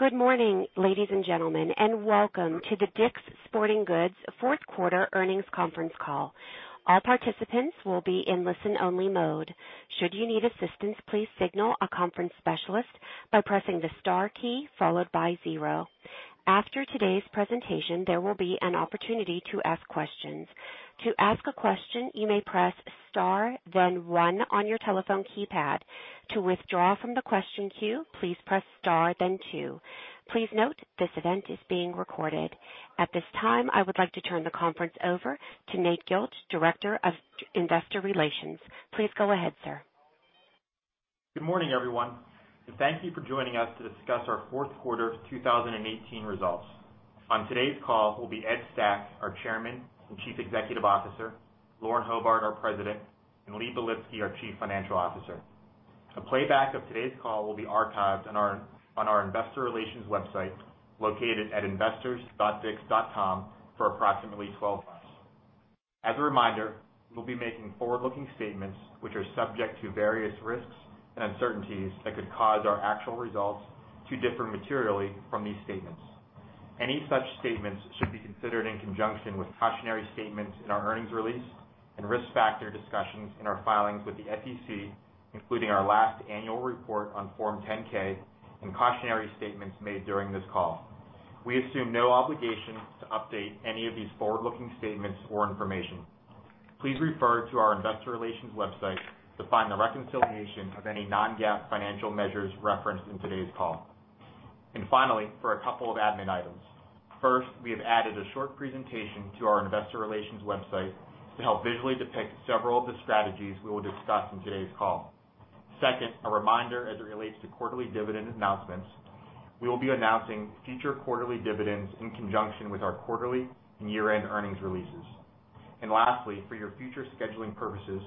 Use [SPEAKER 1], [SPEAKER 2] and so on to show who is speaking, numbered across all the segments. [SPEAKER 1] Good morning, ladies and gentlemen, welcome to the DICK’S Sporting Goods fourth quarter earnings conference call. All participants will be in listen-only mode. Should you need assistance, please signal a conference specialist by pressing the star key followed by zero. After today's presentation, there will be an opportunity to ask questions. To ask a question, you may press star then one on your telephone keypad. To withdraw from the question queue, please press star then two. Please note, this event is being recorded. At this time, I would like to turn the conference over to Nate Gilch, Director of Investor Relations. Please go ahead, sir.
[SPEAKER 2] Good morning, everyone, thank you for joining us to discuss our fourth quarter of 2018 results. On today's call will be Ed Stack, our Chairman and Chief Executive Officer, Lauren Hobart, our President, and Lee Belitsky, our Chief Financial Officer. A playback of today's call will be archived on our Investor Relations website, located at investors.dicks.com for approximately 12 months. As a reminder, we'll be making forward-looking statements which are subject to various risks and uncertainties that could cause our actual results to differ materially from these statements. Any such statements should be considered in conjunction with cautionary statements in our earnings release and risk factor discussions in our filings with the SEC, including our last annual report on Form 10-K and cautionary statements made during this call. We assume no obligation to update any of these forward-looking statements or information. Please refer to our Investor Relations website to find the reconciliation of any non-GAAP financial measures referenced in today's call. Finally, for a couple of admin items. First, we have added a short presentation to our Investor Relations website to help visually depict several of the strategies we will discuss in today's call. Second, a reminder as it relates to quarterly dividend announcements. We will be announcing future quarterly dividends in conjunction with our quarterly and year-end earnings releases. Lastly, for your future scheduling purposes,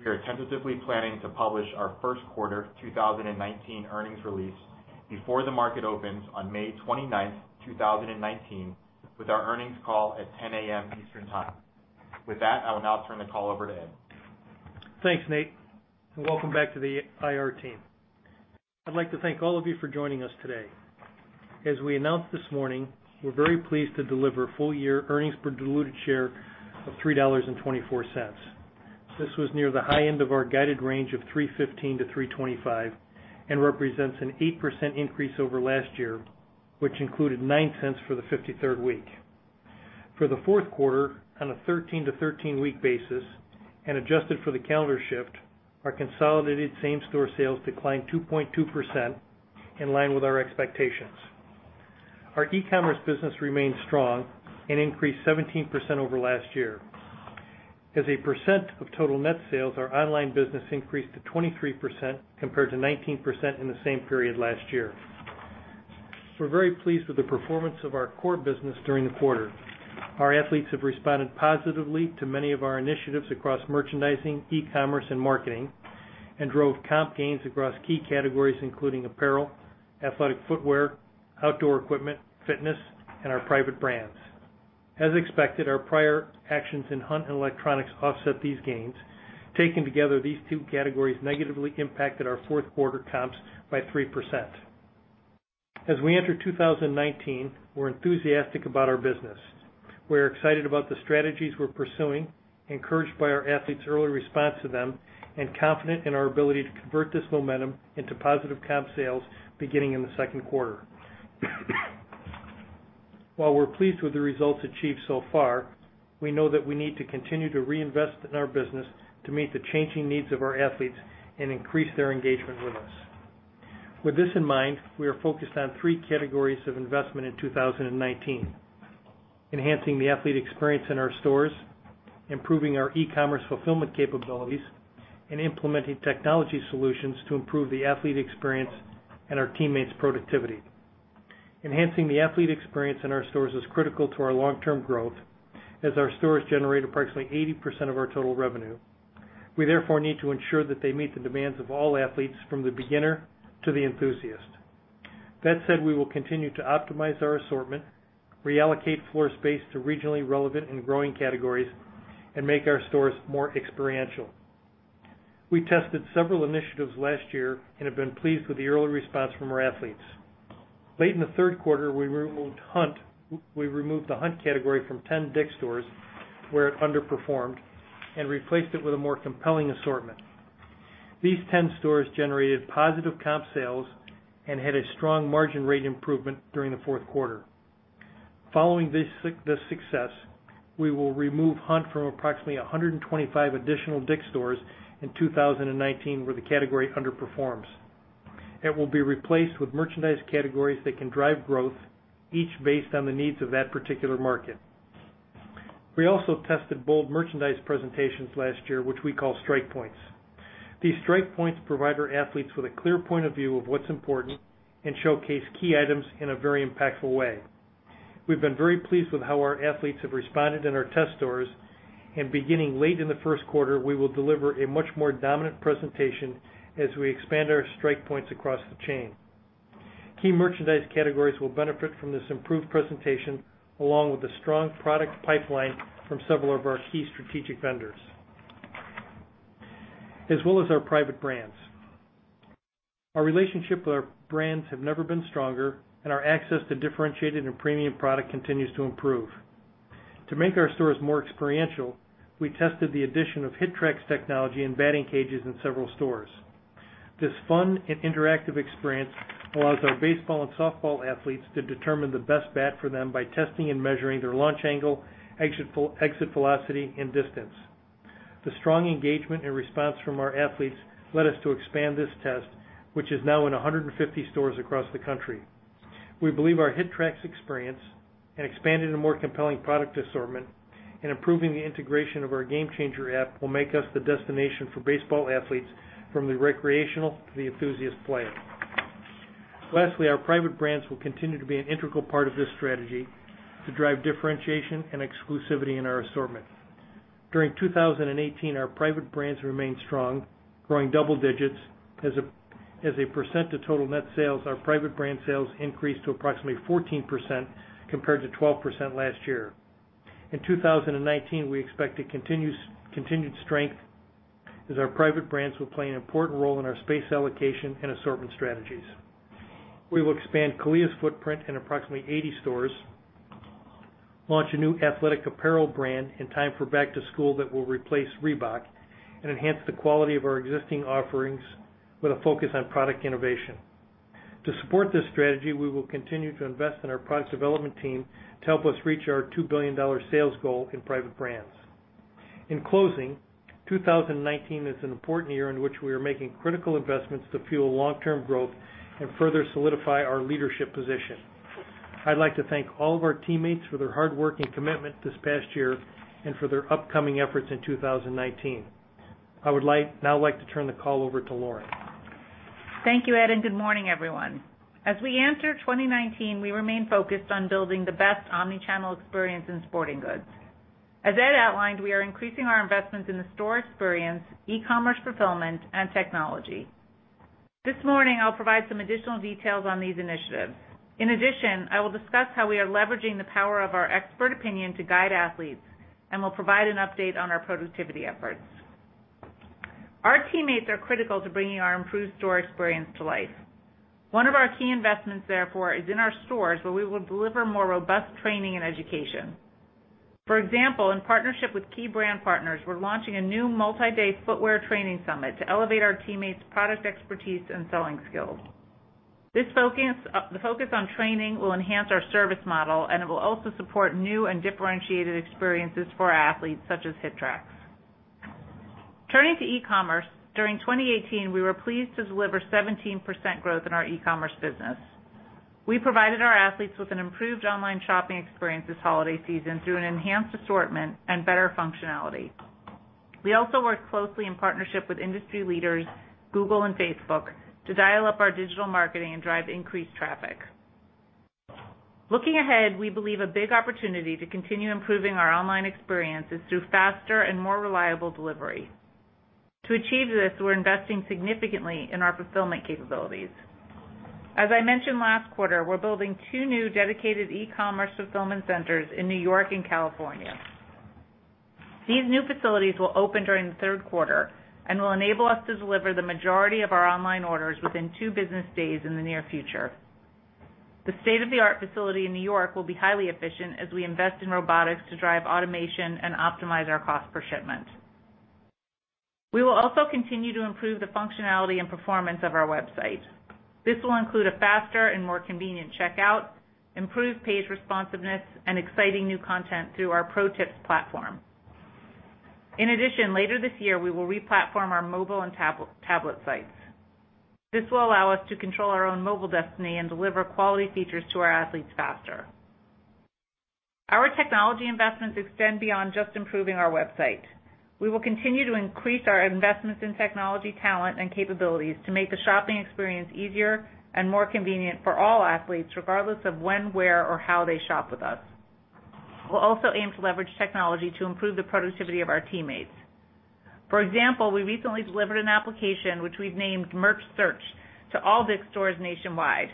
[SPEAKER 2] we are tentatively planning to publish our first quarter 2019 earnings release before the market opens on May 29th, 2019, with our earnings call at 10:00 A.M. Eastern Time. With that, I will now turn the call over to Ed.
[SPEAKER 3] Thanks, Nate, welcome back to the IR team. I'd like to thank all of you for joining us today. As we announced this morning, we're very pleased to deliver full-year earnings per diluted share of $3.24. This was near the high end of our guided range of $3.15-$3.25 and represents an 8% increase over last year, which included $0.09 for the 53rd week. For the fourth quarter, on a 13 to 13 week basis and adjusted for the calendar shift, our consolidated same-store sales declined 2.2%, in line with our expectations. Our e-commerce business remained strong and increased 17% over last year. As a percent of total net sales, our online business increased to 23%, compared to 19% in the same period last year. We're very pleased with the performance of our core business during the quarter. Our athletes have responded positively to many of our initiatives across merchandising, e-commerce, and marketing, and drove comp gains across key categories including apparel, athletic footwear, outdoor equipment, fitness, and our private brands. As expected, our prior actions in hunt and electronics offset these gains. Taken together, these two categories negatively impacted our fourth quarter comps by 3%. As we enter 2019, we're enthusiastic about our business. We're excited about the strategies we're pursuing, encouraged by our athletes' early response to them, and confident in our ability to convert this momentum into positive comp sales beginning in the second quarter. While we're pleased with the results achieved so far, we know that we need to continue to reinvest in our business to meet the changing needs of our athletes and increase their engagement with us. With this in mind, we are focused on three categories of investment in 2019. Enhancing the athlete experience in our stores, improving our e-commerce fulfillment capabilities, and implementing technology solutions to improve the athlete experience and our teammates' productivity. Enhancing the athlete experience in our stores is critical to our long-term growth as our stores generate approximately 80% of our total revenue. We therefore need to ensure that they meet the demands of all athletes, from the beginner to the enthusiast. That said, we will continue to optimize our assortment, reallocate floor space to regionally relevant and growing categories, and make our stores more experiential. We tested several initiatives last year and have been pleased with the early response from our athletes. Late in the third quarter, we removed the hunt category from 10 DICK'S stores where it underperformed and replaced it with a more compelling assortment. These 10 stores generated positive comp sales and had a strong margin rate improvement during the fourth quarter. Following this success, we will remove hunt from approximately 125 additional DICK'S stores in 2019 where the category underperforms. It will be replaced with merchandise categories that can drive growth, each based on the needs of that particular market. We also tested bold merchandise presentations last year, which we call strike points. These strike points provide our athletes with a clear point of view of what's important and showcase key items in a very impactful way. We've been very pleased with how our athletes have responded in our test stores. Beginning late in the first quarter, we will deliver a much more dominant presentation as we expand our strike points across the chain. Key merchandise categories will benefit from this improved presentation, along with a strong product pipeline from several of our key strategic vendors, as well as our private brands. Our relationship with our brands have never been stronger, and our access to differentiated and premium product continues to improve. To make our stores more experiential, we tested the addition of HitTrax technology and batting cages in several stores. This fun and interactive experience allows our baseball and softball athletes to determine the best bat for them by testing and measuring their launch angle, exit velocity, and distance. The strong engagement and response from our athletes led us to expand this test, which is now in 150 stores across the country. We believe our HitTrax experience, and expanding a more compelling product assortment, and improving the integration of our GameChanger app, will make us the destination for baseball athletes from the recreational to the enthusiast player. Lastly, our private brands will continue to be an integral part of this strategy to drive differentiation and exclusivity in our assortment. During 2018, our private brands remained strong, growing double digits. As a percent of total net sales, our private brand sales increased to approximately 14%, compared to 12% last year. In 2019, we expect a continued strength, as our private brands will play an important role in our space allocation and assortment strategies. We will expand CALIA's footprint in approximately 80 stores, launch a new athletic apparel brand in time for back to school that will replace Reebok, and enhance the quality of our existing offerings with a focus on product innovation. To support this strategy, we will continue to invest in our product development team to help us reach our $2 billion sales goal in private brands. In closing, 2019 is an important year in which we are making critical investments to fuel long-term growth and further solidify our leadership position. I'd like to thank all of our teammates for their hard work and commitment this past year, and for their upcoming efforts in 2019. I would now like to turn the call over to Lauren.
[SPEAKER 4] Thank you, Ed, and good morning, everyone. As we enter 2019, we remain focused on building the best omni-channel experience in sporting goods. As Ed outlined, we are increasing our investments in the store experience, e-commerce fulfillment, and technology. This morning, I'll provide some additional details on these initiatives. In addition, I will discuss how we are leveraging the power of our expert opinion to guide athletes, and will provide an update on our productivity efforts. Our teammates are critical to bringing our improved store experience to life. One of our key investments, therefore, is in our stores, where we will deliver more robust training and education. For example, in partnership with key brand partners, we're launching a new multi-day footwear training summit to elevate our teammates' product expertise and selling skills. The focus on training will enhance our service model, and it will also support new and differentiated experiences for our athletes, such as HitTrax. Turning to e-commerce, during 2018, we were pleased to deliver 17% growth in our e-commerce business. We provided our athletes with an improved online shopping experience this holiday season through an enhanced assortment and better functionality. We also worked closely in partnership with industry leaders, Google and Facebook, to dial up our digital marketing and drive increased traffic. Looking ahead, we believe a big opportunity to continue improving our online experience is through faster and more reliable delivery. To achieve this, we're investing significantly in our fulfillment capabilities. As I mentioned last quarter, we're building two new dedicated e-commerce fulfillment centers in New York and California. These new facilities will open during the third quarter and will enable us to deliver the majority of our online orders within two business days in the near future. The state-of-the-art facility in New York will be highly efficient as we invest in robotics to drive automation and optimize our cost per shipment. We will also continue to improve the functionality and performance of our website. This will include a faster and more convenient checkout, improved page responsiveness, and exciting new content through our Pro Tips platform. Later this year, we will re-platform our mobile and tablet sites. This will allow us to control our own mobile destiny and deliver quality features to our athletes faster. Our technology investments extend beyond just improving our website. We will continue to increase our investments in technology talent and capabilities to make the shopping experience easier and more convenient for all athletes, regardless of when, where, or how they shop with us. We'll also aim to leverage technology to improve the productivity of our teammates. For example, we recently delivered an application, which we've named Merch Search, to all DICK'S stores nationwide.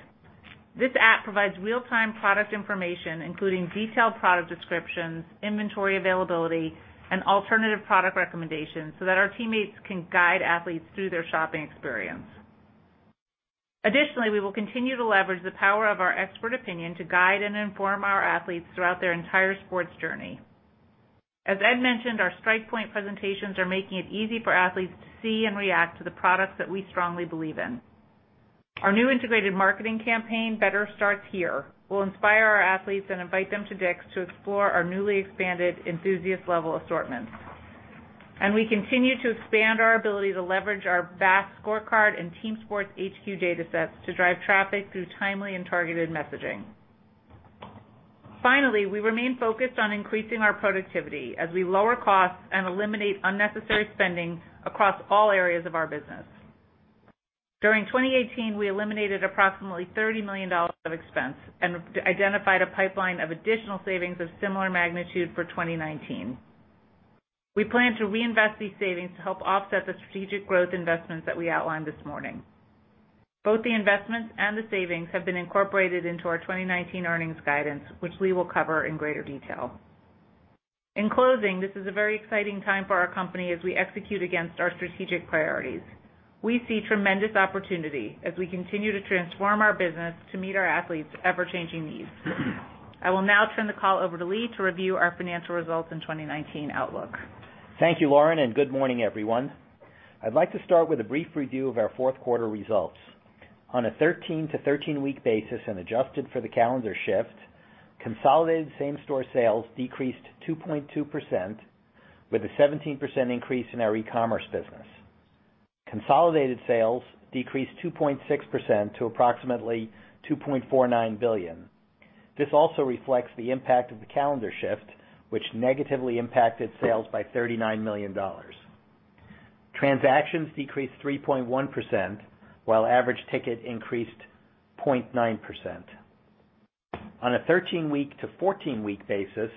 [SPEAKER 4] This app provides real-time product information, including detailed product descriptions, inventory availability, and alternative product recommendations so that our teammates can guide athletes through their shopping experience. Additionally, we will continue to leverage the power of our expert opinion to guide and inform our athletes throughout their entire sports journey. As Ed mentioned, our StrikePoint presentations are making it easy for athletes to see and react to the products that we strongly believe in. Our new integrated marketing campaign, "Better Starts Here," will inspire our athletes and invite them to DICK'S to explore our newly expanded enthusiast-level assortment. We continue to expand our ability to leverage our BAS scorecard and Team Sports HQ datasets to drive traffic through timely and targeted messaging. Finally, we remain focused on increasing our productivity as we lower costs and eliminate unnecessary spending across all areas of our business. During 2018, we eliminated approximately $30 million of expense and identified a pipeline of additional savings of similar magnitude for 2019. We plan to reinvest these savings to help offset the strategic growth investments that we outlined this morning. Both the investments and the savings have been incorporated into our 2019 earnings guidance, which we will cover in greater detail. In closing, this is a very exciting time for our company as we execute against our strategic priorities. We see tremendous opportunity as we continue to transform our business to meet our athletes' ever-changing needs. I will now turn the call over to Lee to review our financial results and 2019 outlook.
[SPEAKER 5] Thank you, Lauren, good morning, everyone. I'd like to start with a brief review of our fourth quarter results. On a 13 to 13-week basis, adjusted for the calendar shift, consolidated same-store sales decreased 2.2%, with a 17% increase in our e-commerce business. Consolidated sales decreased 2.6% to approximately $2.49 billion. This also reflects the impact of the calendar shift, which negatively impacted sales by $39 million. Transactions decreased 3.1%, while average ticket increased 0.9%. On a 13-week to 14-week basis,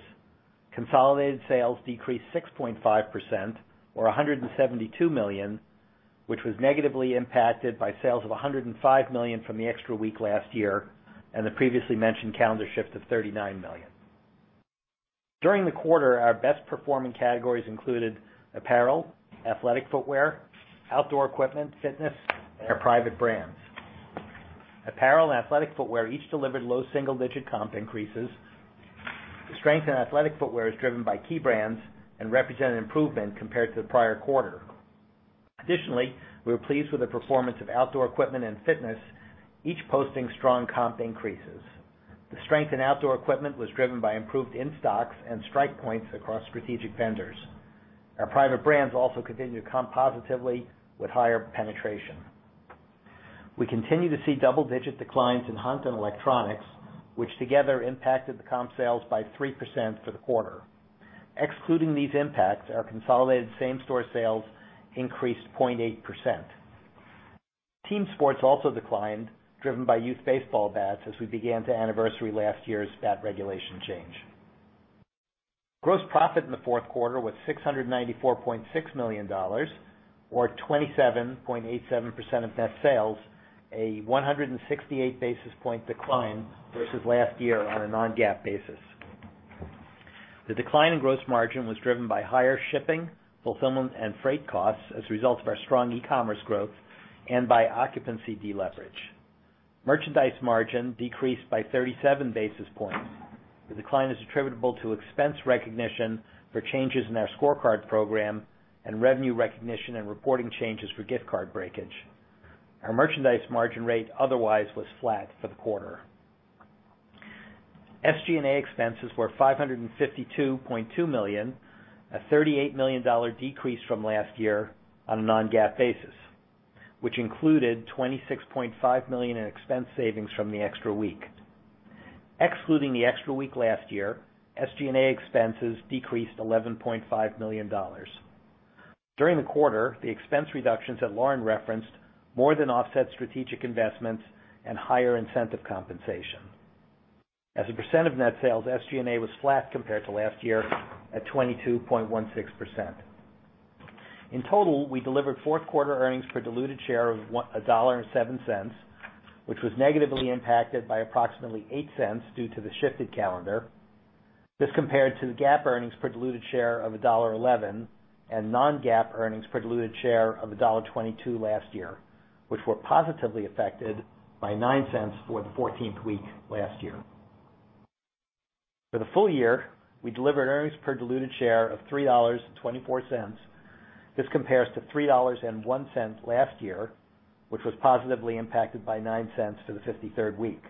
[SPEAKER 5] consolidated sales decreased 6.5%, or $172 million, which was negatively impacted by sales of $105 million from the extra week last year, the previously mentioned calendar shift of $39 million. During the quarter, our best performing categories included apparel, athletic footwear, outdoor equipment, fitness, and our private brands. Apparel and athletic footwear each delivered low single-digit comp increases. The strength in athletic footwear is driven by key brands and represent an improvement compared to the prior quarter. Additionally, we were pleased with the performance of outdoor equipment and fitness, each posting strong comp increases. The strength in outdoor equipment was driven by improved in-stocks and strike points across strategic vendors. Our private brands also continue to comp positively with higher penetration. We continue to see double-digit declines in hunt and electronics, which together impacted the comp sales by 3% for the quarter. Excluding these impacts, our consolidated same-store sales increased 0.8%. Team sports also declined, driven by youth baseball bats as we began to anniversary last year's bat regulation change. Gross profit in the fourth quarter was $694.6 million, or 27.87% of net sales, a 168 basis point decline versus last year on a non-GAAP basis. The decline in gross margin was driven by higher shipping, fulfillment, and freight costs as a result of our strong e-commerce growth and by occupancy deleverage. Merchandise margin decreased by 37 basis points. The decline is attributable to expense recognition for changes in our scorecard program and revenue recognition and reporting changes for gift card breakage. Our merchandise margin rate otherwise was flat for the quarter. SG&A expenses were $552.2 million, a $38 million decrease from last year on a non-GAAP basis, which included $26.5 million in expense savings from the extra week. Excluding the extra week last year, SG&A expenses decreased $11.5 million. During the quarter, the expense reductions that Lauren referenced more than offset strategic investments and higher incentive compensation. As a percent of net sales, SG&A was flat compared to last year at 22.16%. In total, we delivered fourth quarter earnings per diluted share of $1.07, which was negatively impacted by approximately $0.08 due to the shifted calendar. This compared to the GAAP earnings per diluted share of $1.11, non-GAAP earnings per diluted share of $1.22 last year, which were positively affected by $0.09 for the 14th week last year. For the full year, we delivered earnings per diluted share of $3.24. This compares to $3.01 last year, which was positively impacted by $0.09 for the 53rd week.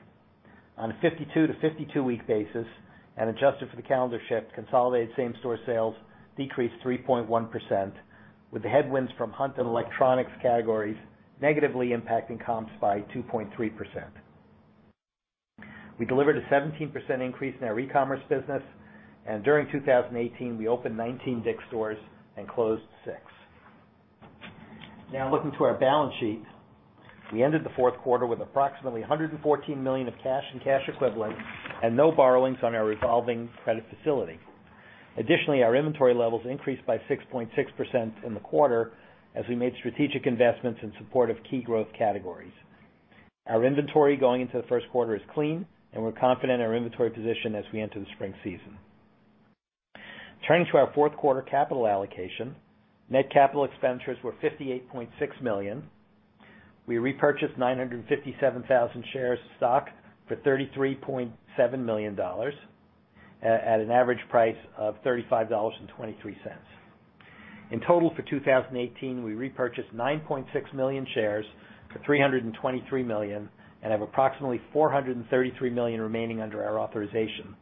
[SPEAKER 5] On a 52 to 52-week basis, adjusted for the calendar shift, consolidated same-store sales decreased 3.1%, with the headwinds from hunt and electronics categories negatively impacting comps by 2.3%. We delivered a 17% increase in our e-commerce business. During 2018, we opened 19 DICK'S stores and closed six. Now looking to our balance sheet. We ended the fourth quarter with approximately $114 million of cash and cash equivalents and no borrowings on our revolving credit facility. Additionally, our inventory levels increased by 6.6% in the quarter as we made strategic investments in support of key growth categories. Our inventory going into the first quarter is clean, and we're confident in our inventory position as we enter the spring season. Turning to our fourth quarter capital allocation, net capital expenditures were $58.6 million. We repurchased 957,000 shares of stock for $33.7 million at an average price of $35.23. In total for 2018, we repurchased 9.6 million shares for $323 million and have approximately $433 million remaining under our authorization.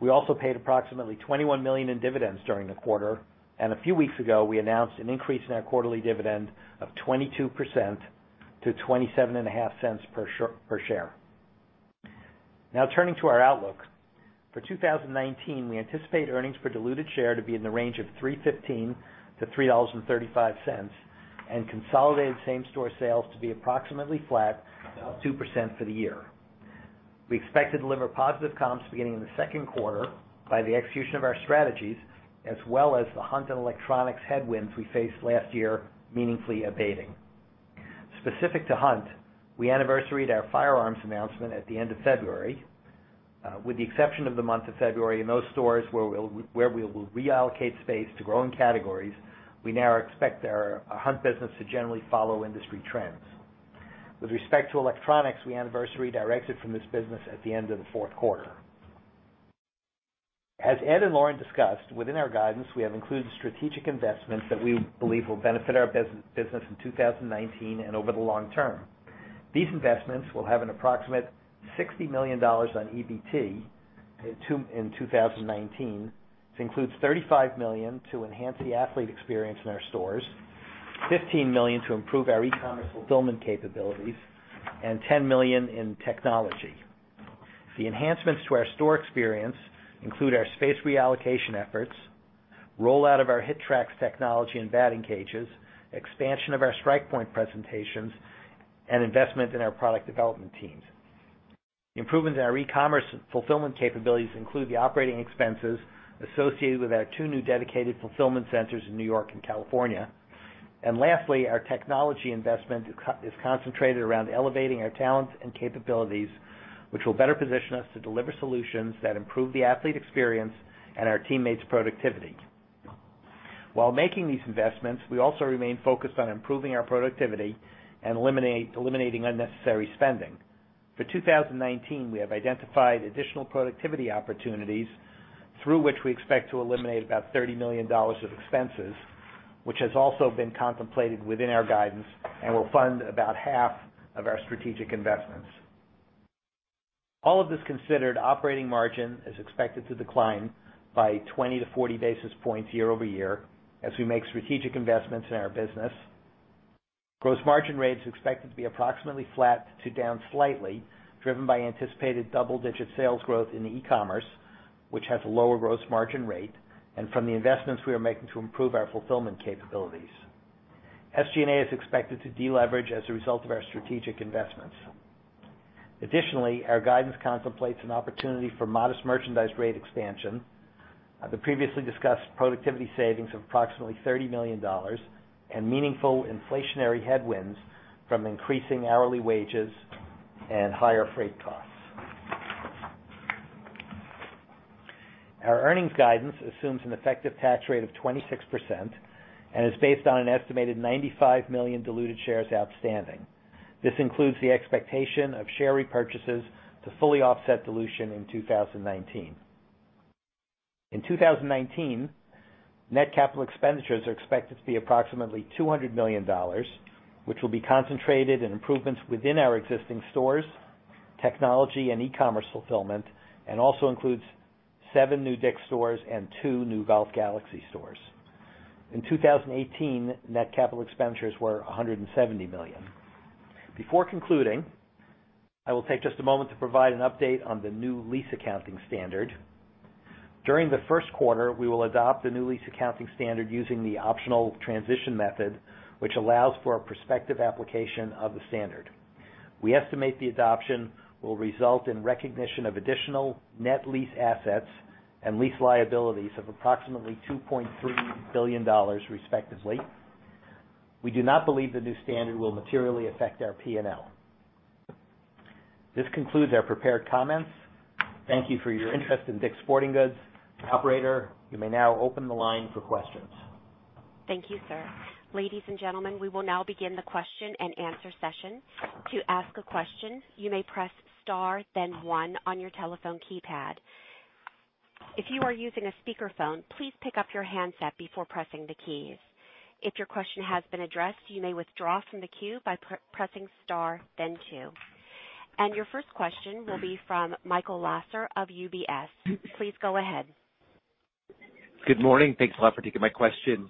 [SPEAKER 5] We also paid approximately $21 million in dividends during the quarter, and a few weeks ago, we announced an increase in our quarterly dividend of 22% to $0.275 per share. Turning to our outlook. For 2019, we anticipate earnings per diluted share to be in the range of $3.15-$3.35 and consolidated same-store sales to be approximately flat to up 2% for the year. We expect to deliver positive comps beginning in the second quarter by the execution of our strategies, as well as the hunt and electronics headwinds we faced last year meaningfully abating. Specific to hunt, we anniversaried our firearms announcement at the end of February. With the exception of the month of February, in those stores where we will reallocate space to growing categories, we now expect our hunt business to generally follow industry trends. With respect to electronics, we anniversary exited from this business at the end of the fourth quarter. As Ed and Lauren discussed, within our guidance, we have included strategic investments that we believe will benefit our business in 2019 and over the long term. These investments will have an approximate $60 million on EBT in 2019, which includes $35 million to enhance the athlete experience in our stores, $15 million to improve our e-commerce fulfillment capabilities, and $10 million in technology. The enhancements to our store experience include our space reallocation efforts, rollout of our HitTrax technology and batting cages, expansion of our StrikePoint presentations, and investment in our product development teams. Improvements in our e-commerce fulfillment capabilities include the operating expenses associated with our two new dedicated fulfillment centers in New York and California. Lastly, our technology investment is concentrated around elevating our talents and capabilities, which will better position us to deliver solutions that improve the athlete experience and our teammates' productivity. While making these investments, we also remain focused on improving our productivity and eliminating unnecessary spending. For 2019, we have identified additional productivity opportunities through which we expect to eliminate about $30 million of expenses, which has also been contemplated within our guidance and will fund about half of our strategic investments. All of this considered, operating margin is expected to decline by 20-40 basis points year-over-year as we make strategic investments in our business. Gross margin rate is expected to be approximately flat to down slightly, driven by anticipated double-digit sales growth in e-commerce, which has a lower gross margin rate, and from the investments we are making to improve our fulfillment capabilities. SG&A is expected to deleverage as a result of our strategic investments. Additionally, our guidance contemplates an opportunity for modest merchandise rate expansion, the previously discussed productivity savings of approximately $30 million, and meaningful inflationary headwinds from increasing hourly wages and higher freight costs. Our earnings guidance assumes an effective tax rate of 26% and is based on an estimated 95 million diluted shares outstanding. This includes the expectation of share repurchases to fully offset dilution in 2019. In 2019, net capital expenditures are expected to be approximately $200 million, which will be concentrated in improvements within our existing stores, technology, and e-commerce fulfillment, and also includes seven new DICK'S stores and two new Golf Galaxy stores. In 2018, net capital expenditures were $170 million. Before concluding, I will take just a moment to provide an update on the new lease accounting standard. During the first quarter, we will adopt the new lease accounting standard using the optional transition method, which allows for a prospective application of the standard. We estimate the adoption will result in recognition of additional net lease assets and lease liabilities of approximately $2.3 billion, respectively. We do not believe the new standard will materially affect our P&L. This concludes our prepared comments. Thank you for your interest in DICK'S Sporting Goods. Operator, you may now open the line for questions.
[SPEAKER 1] Thank you, sir. Ladies and gentlemen, we will now begin the question and answer session. To ask a question, you may press star then one on your telephone keypad. If you are using a speakerphone, please pick up your handset before pressing the keys. If your question has been addressed, you may withdraw from the queue by pressing star then two. Your first question will be from Michael Lasser of UBS. Please go ahead.
[SPEAKER 6] Good morning. Thanks a lot for taking my question.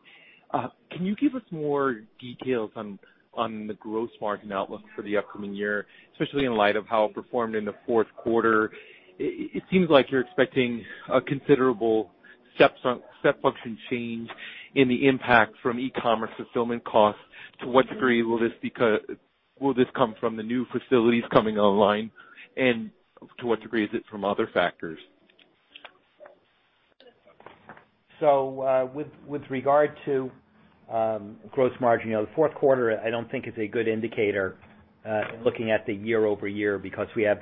[SPEAKER 6] Can you give us more details on the gross margin outlook for the upcoming year, especially in light of how it performed in the fourth quarter? It seems like you're expecting a considerable step function change in the impact from e-commerce fulfillment costs. To what degree will this come from the new facilities coming online, and to what degree is it from other factors?
[SPEAKER 5] With regard to gross margin, the fourth quarter I don't think is a good indicator looking at the year-over-year because we have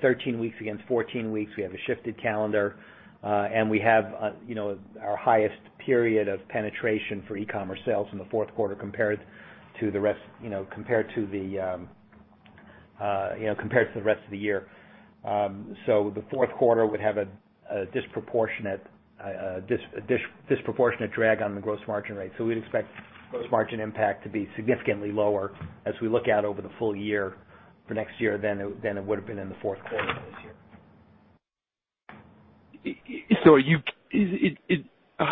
[SPEAKER 5] 13 weeks against 14 weeks. We have a shifted calendar, and we have our highest period of penetration for e-commerce sales in the fourth quarter compared to the rest of the year. The fourth quarter would have a disproportionate drag on the gross margin rate. We'd expect gross margin impact to be significantly lower as we look out over the full year for next year than it would have been in the fourth quarter this year.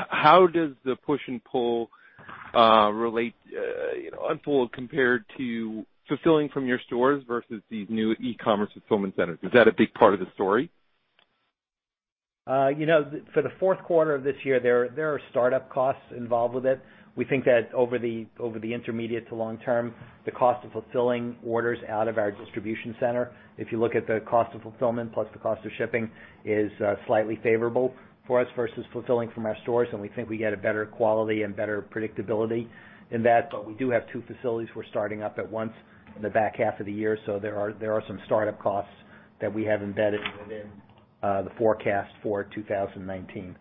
[SPEAKER 6] How does the push and pull unfold compared to fulfilling from your stores versus these new e-commerce fulfillment centers? Is that a big part of the story?
[SPEAKER 5] For the fourth quarter of this year, there are startup costs involved with it. We think that over the intermediate to long term, the cost of fulfilling orders out of our distribution center, if you look at the cost of fulfillment plus the cost of shipping, is slightly favorable for us versus fulfilling from our stores. We think we get a better quality and better predictability in that. We do have two facilities we're starting up at once in the back half of the year. There are some startup costs that we have embedded within the forecast for 2019.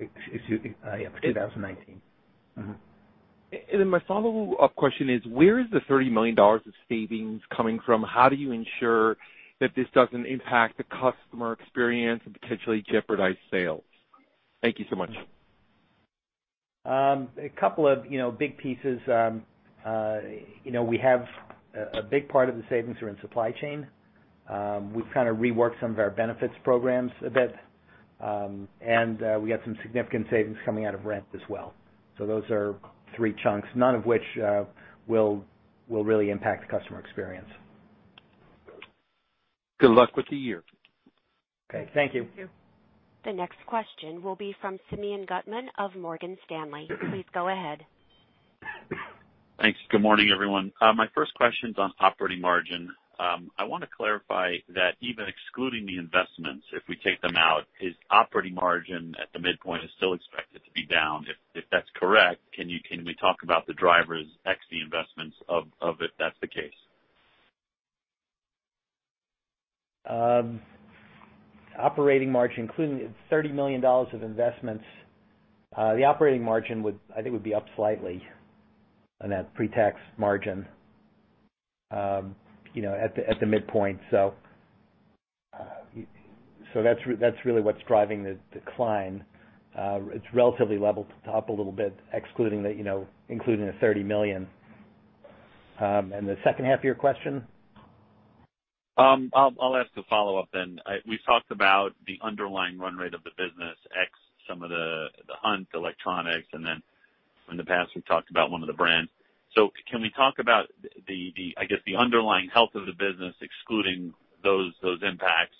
[SPEAKER 5] Excuse me. Yeah, 2019.
[SPEAKER 6] My follow-up question is: where is the $30 million of savings coming from? How do you ensure that this doesn't impact the customer experience and potentially jeopardize sales? Thank you so much.
[SPEAKER 5] A couple of big pieces. We have a big part of the savings are in supply chain. We've kind of reworked some of our benefits programs a bit. We got some significant savings coming out of rent as well. Those are three chunks, none of which will really impact the customer experience.
[SPEAKER 6] Good luck with the year.
[SPEAKER 5] Okay, thank you.
[SPEAKER 3] Thank you.
[SPEAKER 1] The next question will be from Simeon Gutman of Morgan Stanley. Please go ahead.
[SPEAKER 7] Thanks. Good morning, everyone. My first question's on operating margin. I want to clarify that even excluding the investments, if we take them out, is operating margin at the midpoint is still expected to be down? If that's correct, can we talk about the drivers ex the investments of it, if that's the case.
[SPEAKER 5] Operating margin, including the $30 million of investments. The operating margin, would, I think, would be up slightly on that pre-tax margin at the midpoint. That's really what's driving the decline. It's relatively level to top a little bit, including the $30 million. The second half of your question?
[SPEAKER 7] I'll ask a follow-up then. We've talked about the underlying run rate of the business, ex some of the hunt, electronics, and then in the past, we've talked about one of the brands. Can we talk about, I guess, the underlying health of the business excluding those impacts?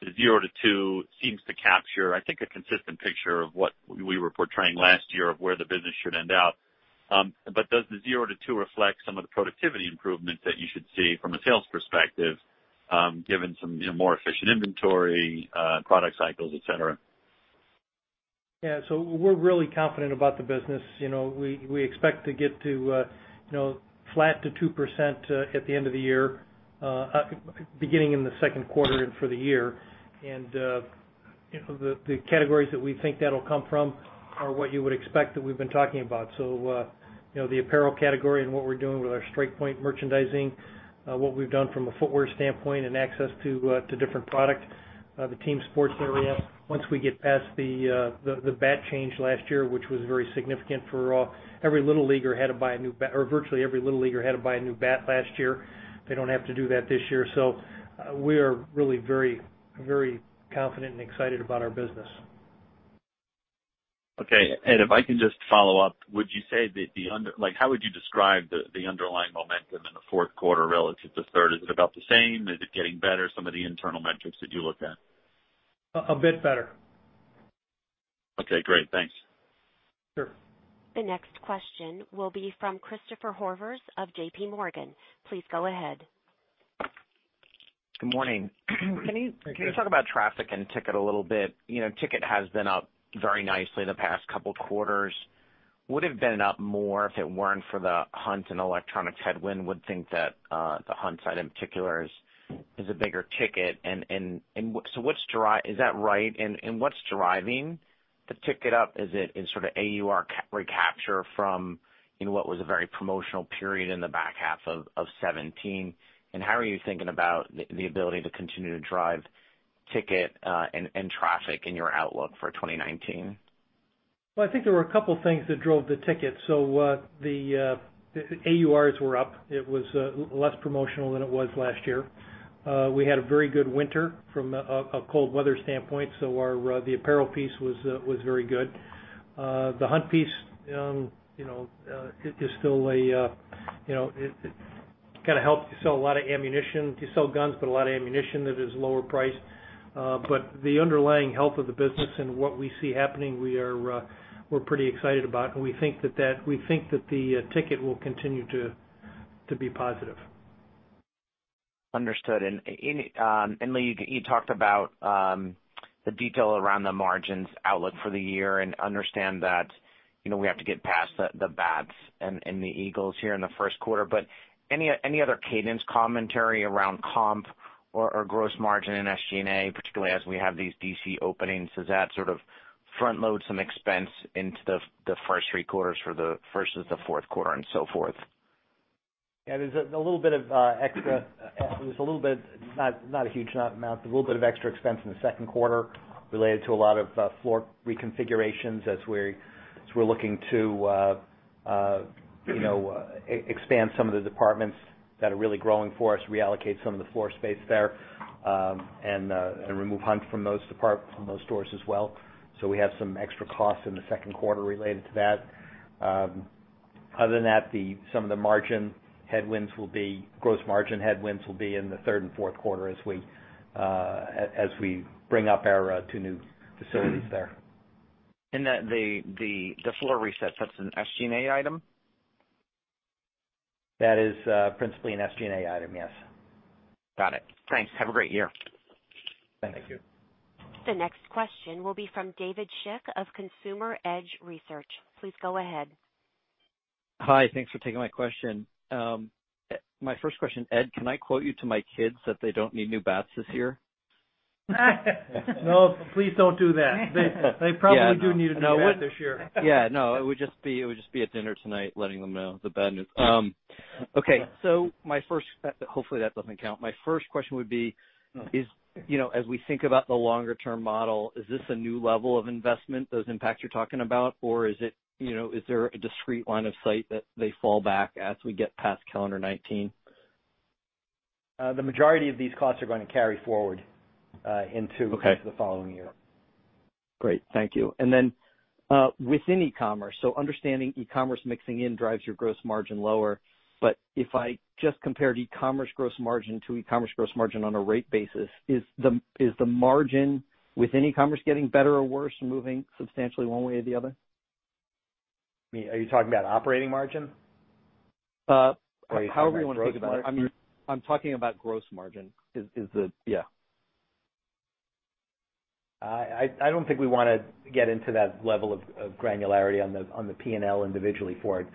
[SPEAKER 7] The 0%-2% seems to capture, I think, a consistent picture of what we were portraying last year of where the business should end up. Does the 0%-2% reflect some of the productivity improvements that you should see from a sales perspective, given some more efficient inventory, product cycles, et cetera?
[SPEAKER 3] Yeah. We're really confident about the business. We expect to get to flat to 2% at the end of the year, beginning in the second quarter and for the year. The categories that we think that'll come from are what you would expect that we've been talking about. The apparel category and what we're doing with our Strike Point merchandising, what we've done from a footwear standpoint and access to different product. The team sports area. Once we get past the bat change last year, which was very significant for virtually every little leaguer had to buy a new bat last year. They don't have to do that this year. We are really very confident and excited about our business.
[SPEAKER 7] Okay. If I can just follow up. How would you describe the underlying momentum in the fourth quarter relative to third? Is it about the same? Is it getting better? Some of the internal metrics that you look at.
[SPEAKER 3] A bit better.
[SPEAKER 7] Okay, great. Thanks.
[SPEAKER 3] Sure.
[SPEAKER 1] The next question will be from Christopher Horvers of JPMorgan. Please go ahead.
[SPEAKER 8] Good morning.
[SPEAKER 3] Hey, Chris.
[SPEAKER 8] Can you talk about traffic and ticket a little bit? Ticket has been up very nicely the past couple of quarters. Would it have been up more if it weren't for the hunt and electronics headwind? Would think that the hunt side in particular is a bigger ticket. Is that right? What's driving the ticket up? Is it sort of AUR recapture from what was a very promotional period in the back half of 2017? How are you thinking about the ability to continue to drive ticket and traffic in your outlook for 2019?
[SPEAKER 3] I think there were a couple things that drove the ticket. The AURs were up. It was less promotional than it was last year. We had a very good winter from a cold weather standpoint, so the apparel piece was very good. The hunt piece is still. It kind of helped. You sell a lot of ammunition. You sell guns, but a lot of ammunition that is lower priced. The underlying health of the business and what we see happening, we're pretty excited about, and we think that the ticket will continue to be positive.
[SPEAKER 8] Understood. Lee, you talked about the detail around the margins outlook for the year and understand that we have to get past the bats and the Eagles here in the first quarter, but any other cadence commentary around comp or gross margin in SG&A, particularly as we have these DC openings? Does that sort of front-load some expense into the first three quarters for the versus the fourth quarter and so forth?
[SPEAKER 5] There's a little bit, not a huge amount, but a little bit of extra expense in the second quarter related to a lot of floor reconfigurations as we're looking to expand some of the departments that are really growing for us, reallocate some of the floor space there, and remove hunt from those stores as well. We have some extra costs in the second quarter related to that. Other than that, some of the gross margin headwinds will be in the third and fourth quarter as we bring up our two new facilities there.
[SPEAKER 8] The floor resets, that's an SG&A item?
[SPEAKER 5] That is principally an SG&A item, yes.
[SPEAKER 8] Got it. Thanks. Have a great year.
[SPEAKER 5] Thank you.
[SPEAKER 1] The next question will be from David Schick of Consumer Edge Research. Please go ahead.
[SPEAKER 9] Hi. Thanks for taking my question. My first question, Ed, can I quote you to my kids that they don't need new bats this year?
[SPEAKER 3] No, please don't do that. They probably do need a new bat this year.
[SPEAKER 9] Yeah, no, it would just be at dinner tonight, letting them know the bad news. Okay. My first—hopefully, that doesn't count. My first question would be, as we think about the longer-term model, is this a new level of investment, those impacts you're talking about, or is there a discrete line of sight that they fall back as we get past calendar 2019?
[SPEAKER 5] The majority of these costs are going to carry forward into-
[SPEAKER 9] Okay.
[SPEAKER 5] The following year.
[SPEAKER 9] Great. Thank you. Within e-commerce, understanding e-commerce mixing in drives your gross margin lower, if I just compared e-commerce gross margin to e-commerce gross margin on a rate basis, is the margin within e-commerce getting better or worse or moving substantially one way or the other?
[SPEAKER 5] Are you talking about operating margin?
[SPEAKER 9] I'm talking about gross margin. Yeah.
[SPEAKER 5] I don't think we want to get into that level of granularity on the P&L individually for it.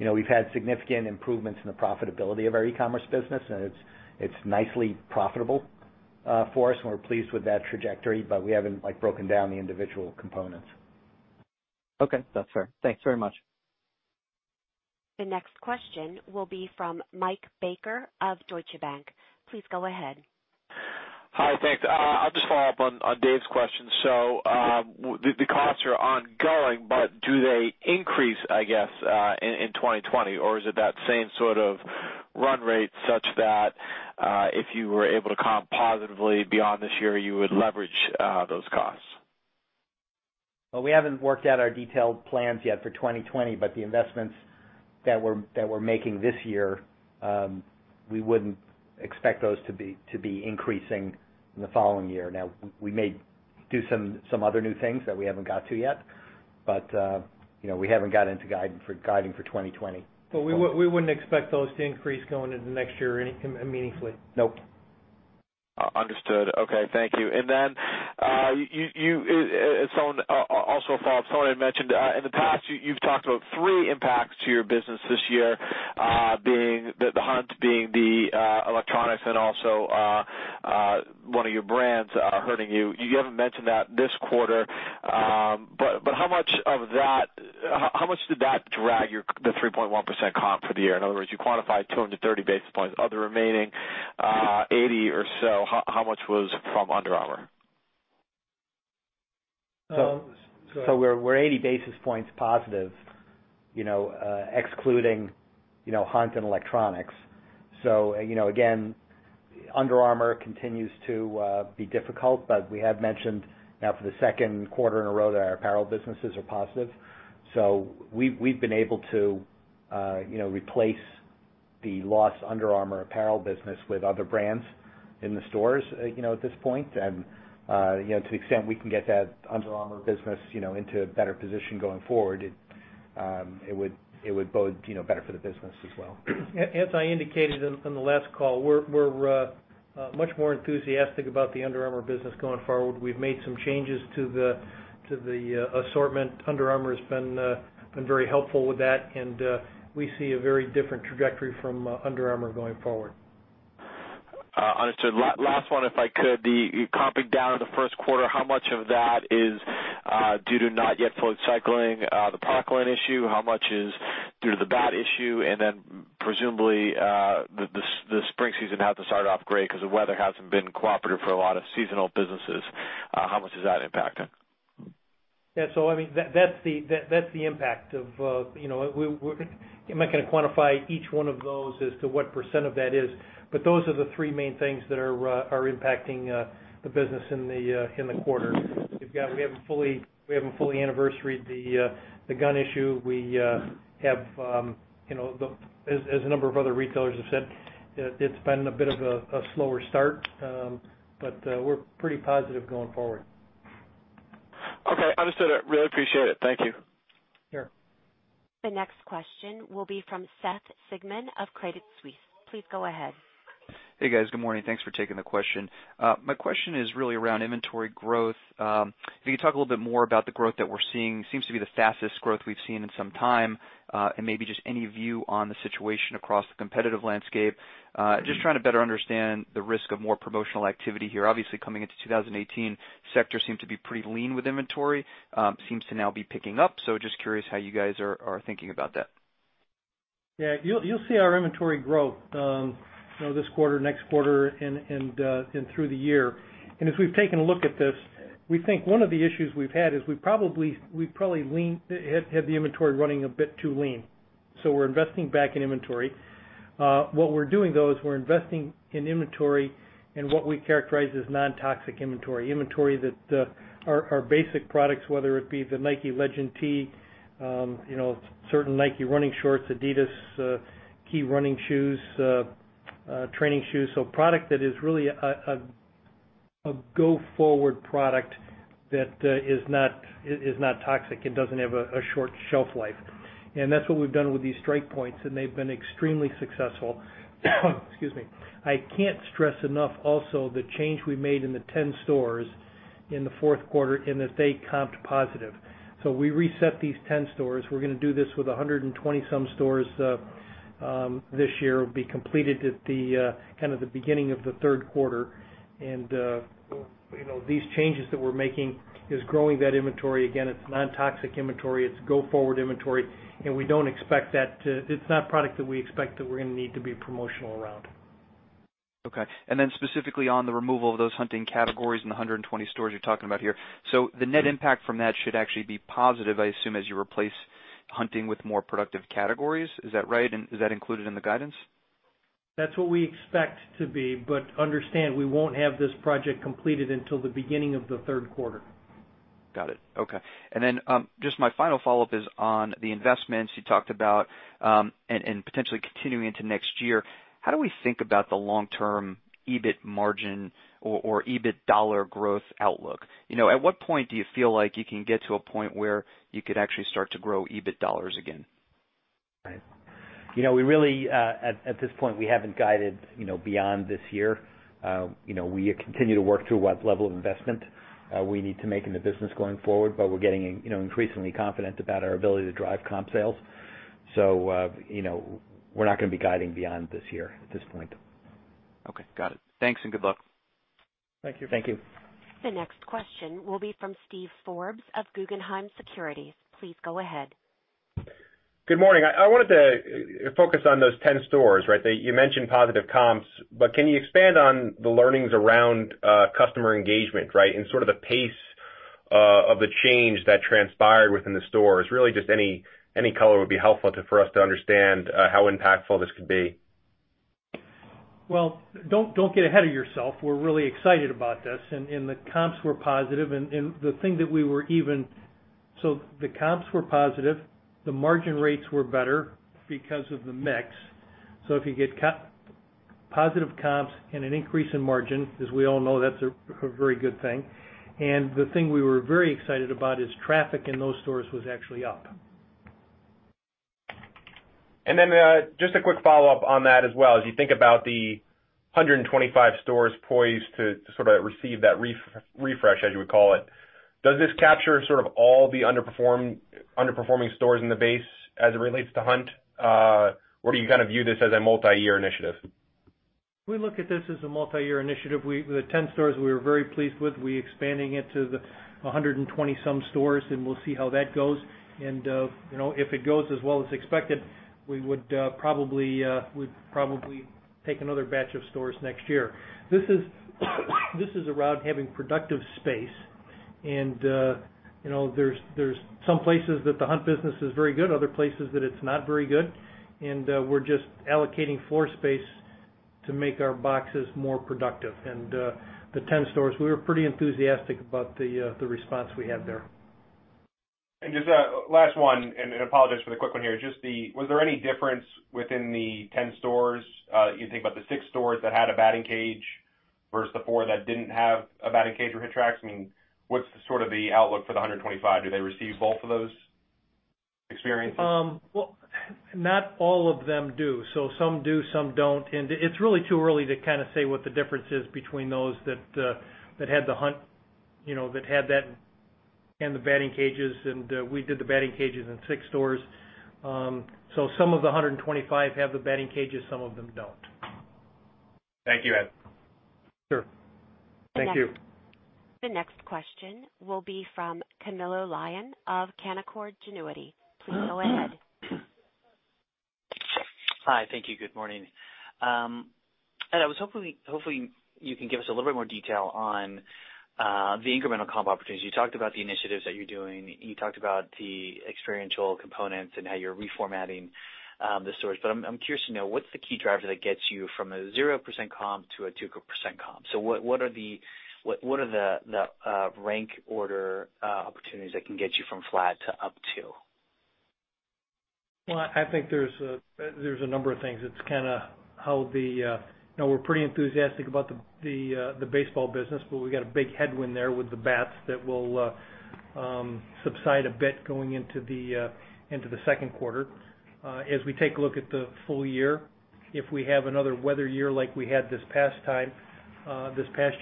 [SPEAKER 5] We've had significant improvements in the profitability of our e-commerce business, and it's nicely profitable for us, and we're pleased with that trajectory. We haven't broken down the individual components.
[SPEAKER 9] Okay. That's fair. Thanks very much.
[SPEAKER 1] The next question will be from Mike Baker of Deutsche Bank. Please go ahead.
[SPEAKER 10] Hi. Thanks. I'll just follow up on Dave's question. The costs are ongoing, but do they increase, I guess, in 2020, or is it that same sort of run rate such that, if you were able to comp positively beyond this year, you would leverage those costs?
[SPEAKER 5] Well, we haven't worked out our detailed plans yet for 2020, but the investments that we're making this year, we wouldn't expect those to be increasing in the following year. Now, we may do some other new things that we haven't got to yet, but we haven't got into guiding for 2020.
[SPEAKER 3] We wouldn't expect those to increase going into the next year meaningfully.
[SPEAKER 5] Nope.
[SPEAKER 10] Understood. Okay. Thank you. Also a follow-up. Someone had mentioned, in the past, you've talked about three impacts to your business this year, the hunt being the electronics and also one of your brands hurting you. You haven't mentioned that this quarter, but how much did that drag the 3.1% comp for the year? In other words, you quantified 230 basis points. Of the remaining 80 or so, how much was from Under Armour?
[SPEAKER 5] We're 80 basis points positive excluding hunt and electronics. Again, Under Armour continues to be difficult, but we have mentioned now for the second quarter in a row that our apparel businesses are positive. We've been able to replace the lost Under Armour apparel business with other brands in the stores at this point. To the extent we can get that Under Armour business into a better position going forward, it would bode better for the business as well.
[SPEAKER 3] As I indicated on the last call, we're much more enthusiastic about the Under Armour business going forward. We've made some changes to the assortment. Under Armour has been very helpful with that, and we see a very different trajectory from Under Armour going forward.
[SPEAKER 10] Understood. Last one, if I could. The comping down in the first quarter, how much of that is due to not yet full cycling the Parkland issue? How much is due to the bat issue? Presumably, the spring season hasn't started off great because the weather hasn't been cooperative for a lot of seasonal businesses. How much is that impacting?
[SPEAKER 3] Yeah. That's the impact. I'm not going to quantify each one of those as to what percent of that is, but those are the three main things that are impacting the business in the quarter. We haven't fully anniversaried the gun issue. As a number of other retailers have said, it's been a bit of a slower start. We're pretty positive going forward.
[SPEAKER 10] Okay. Understood. Really appreciate it. Thank you.
[SPEAKER 3] Sure.
[SPEAKER 1] The next question will be from Seth Sigman of Credit Suisse. Please go ahead.
[SPEAKER 11] Hey, guys. Good morning. Thanks for taking the question. My question is really around inventory growth. If you could talk a little bit more about the growth that we're seeing. Seems to be the fastest growth we've seen in some time. Maybe just any view on the situation across the competitive landscape. Just trying to better understand the risk of more promotional activity here. Obviously, coming into 2018, sector seemed to be pretty lean with inventory. Seems to now be picking up. Just curious how you guys are thinking about that.
[SPEAKER 3] Yeah. You'll see our inventory grow this quarter, next quarter, and through the year. As we've taken a look at this, we think one of the issues we've had is we probably had the inventory running a bit too lean. We're investing back in inventory. What we're doing, though, is we're investing in inventory in what we characterize as non-toxic inventory. Inventory that are basic products, whether it be the Nike Legend tee, certain Nike running shorts, adidas key running shoes, training shoes. Product that is really a go-forward product that is not toxic and doesn't have a short shelf life. They've been extremely successful. Excuse me. I can't stress enough also the change we made in the 10 stores in the fourth quarter. That they comped positive. We reset these 10 stores. We're going to do this with 120-some stores this year. It will be completed at the beginning of the third quarter. These changes that we're making is growing that inventory. Again, it's non-toxic inventory. It's go-forward inventory. We don't expect that, it's not product that we expect that we're going to need to be promotional around.
[SPEAKER 11] Okay. Then specifically on the removal of those hunting categories in the 120 stores you're talking about here. The net impact from that should actually be positive, I assume, as you replace hunting with more productive categories. Is that right? Is that included in the guidance?
[SPEAKER 3] That's what we expect to be, understand, we won't have this project completed until the beginning of the third quarter.
[SPEAKER 11] Got it. Okay. Then just my final follow-up is on the investments you talked about and potentially continuing into next year. How do we think about the long-term EBIT margin or EBIT dollar growth outlook? At what point do you feel like you can get to a point where you could actually start to grow EBIT dollars again?
[SPEAKER 5] Right. You know, we really, at this point, we haven't guided beyond this year. We continue to work through what level of investment we need to make in the business going forward, we're getting increasingly confident about our ability to drive comp sales. We're not going to be guiding beyond this year at this point.
[SPEAKER 11] Okay. Got it. Thanks and good luck.
[SPEAKER 3] Thank you.
[SPEAKER 5] Thank you.
[SPEAKER 1] The next question will be from Steve Forbes of Guggenheim Securities. Please go ahead.
[SPEAKER 12] Good morning. I wanted to focus on those 10 stores, right? You mentioned positive comps, can you expand on the learnings around customer engagement, right, and sort of the pace of the change that transpired within the stores? Really just any color would be helpful for us to understand how impactful this could be.
[SPEAKER 3] Well, don't get ahead of yourself. We're really excited about this. The comps were positive. The things that we we're even—the comps were positive. The margin rates were better because of the mix. If you get positive comps and an increase in margin, as we all know, that's a very good thing. The thing we were very excited about is traffic in those stores was actually up.
[SPEAKER 12] Just a quick follow-up on that as well. As you think about the 125 stores poised to sort of receive that refresh, as you would call it, does this capture sort of all the underperforming stores in the base as it relates to hunt? Do you kind of view this as a multi-year initiative?
[SPEAKER 3] We look at this as a multi-year initiative. The 10 stores, we were very pleased with. We're expanding it to the 120-some stores, we'll see how that goes. If it goes as well as expected, we'd probably take another batch of stores next year. This is around having productive space, there's some places that the hunt business is very good, other places that it's not very good. We're just allocating floor space to make our boxes more productive. The 10 stores, we were pretty enthusiastic about the response we had there.
[SPEAKER 12] Just last one, I apologize for the quick one here. Was there any difference within the 10 stores, you think about the six stores that had a batting cage versus the four that didn't have a batting cage or HitTrax? What's sort of the outlook for the 125? Do they receive both of those experiences?
[SPEAKER 3] Not all of them do. Some do, some don't, it's really too early to kind of say what the difference is between those that had the hunt and the batting cages. We did the batting cages in six stores. Some of the 125 have the batting cages, some of them don't.
[SPEAKER 12] Thank you, Ed.
[SPEAKER 3] Sure. Thank you.
[SPEAKER 1] The next question will be from Camilo Lyon of Canaccord Genuity. Please go ahead.
[SPEAKER 13] Hi. Thank you. Good morning. Ed, hopefully you can give us a little bit more detail on the incremental comp opportunities. You talked about the initiatives that you're doing. You talked about the experiential components and how you're reformatting the stores, but I'm curious to know, what's the key driver that gets you from a 0% comp to a 2% comp? What are the rank order opportunities that can get you from flat to up 2%?
[SPEAKER 3] Well, I think there's a number of things. We're pretty enthusiastic about the baseball business, but we got a big headwind there with the bats that will subside a bit going into the second quarter. As we take a look at the full year, if we have another weather year like we had this past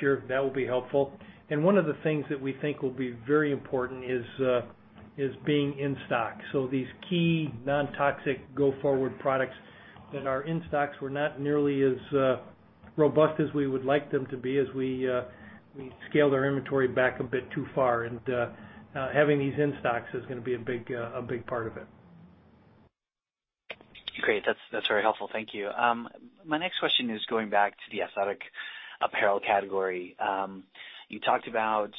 [SPEAKER 3] year, that will be helpful. One of the things that we think will be very important is being in stock. These key non-toxic go-forward products that are in stock were not nearly as robust as we would like them to be as we scaled our inventory back a bit too far. Having these in stock is going to be a big part of it.
[SPEAKER 13] Great. That's very helpful. Thank you. My next question is going back to the athletic apparel category. You talked about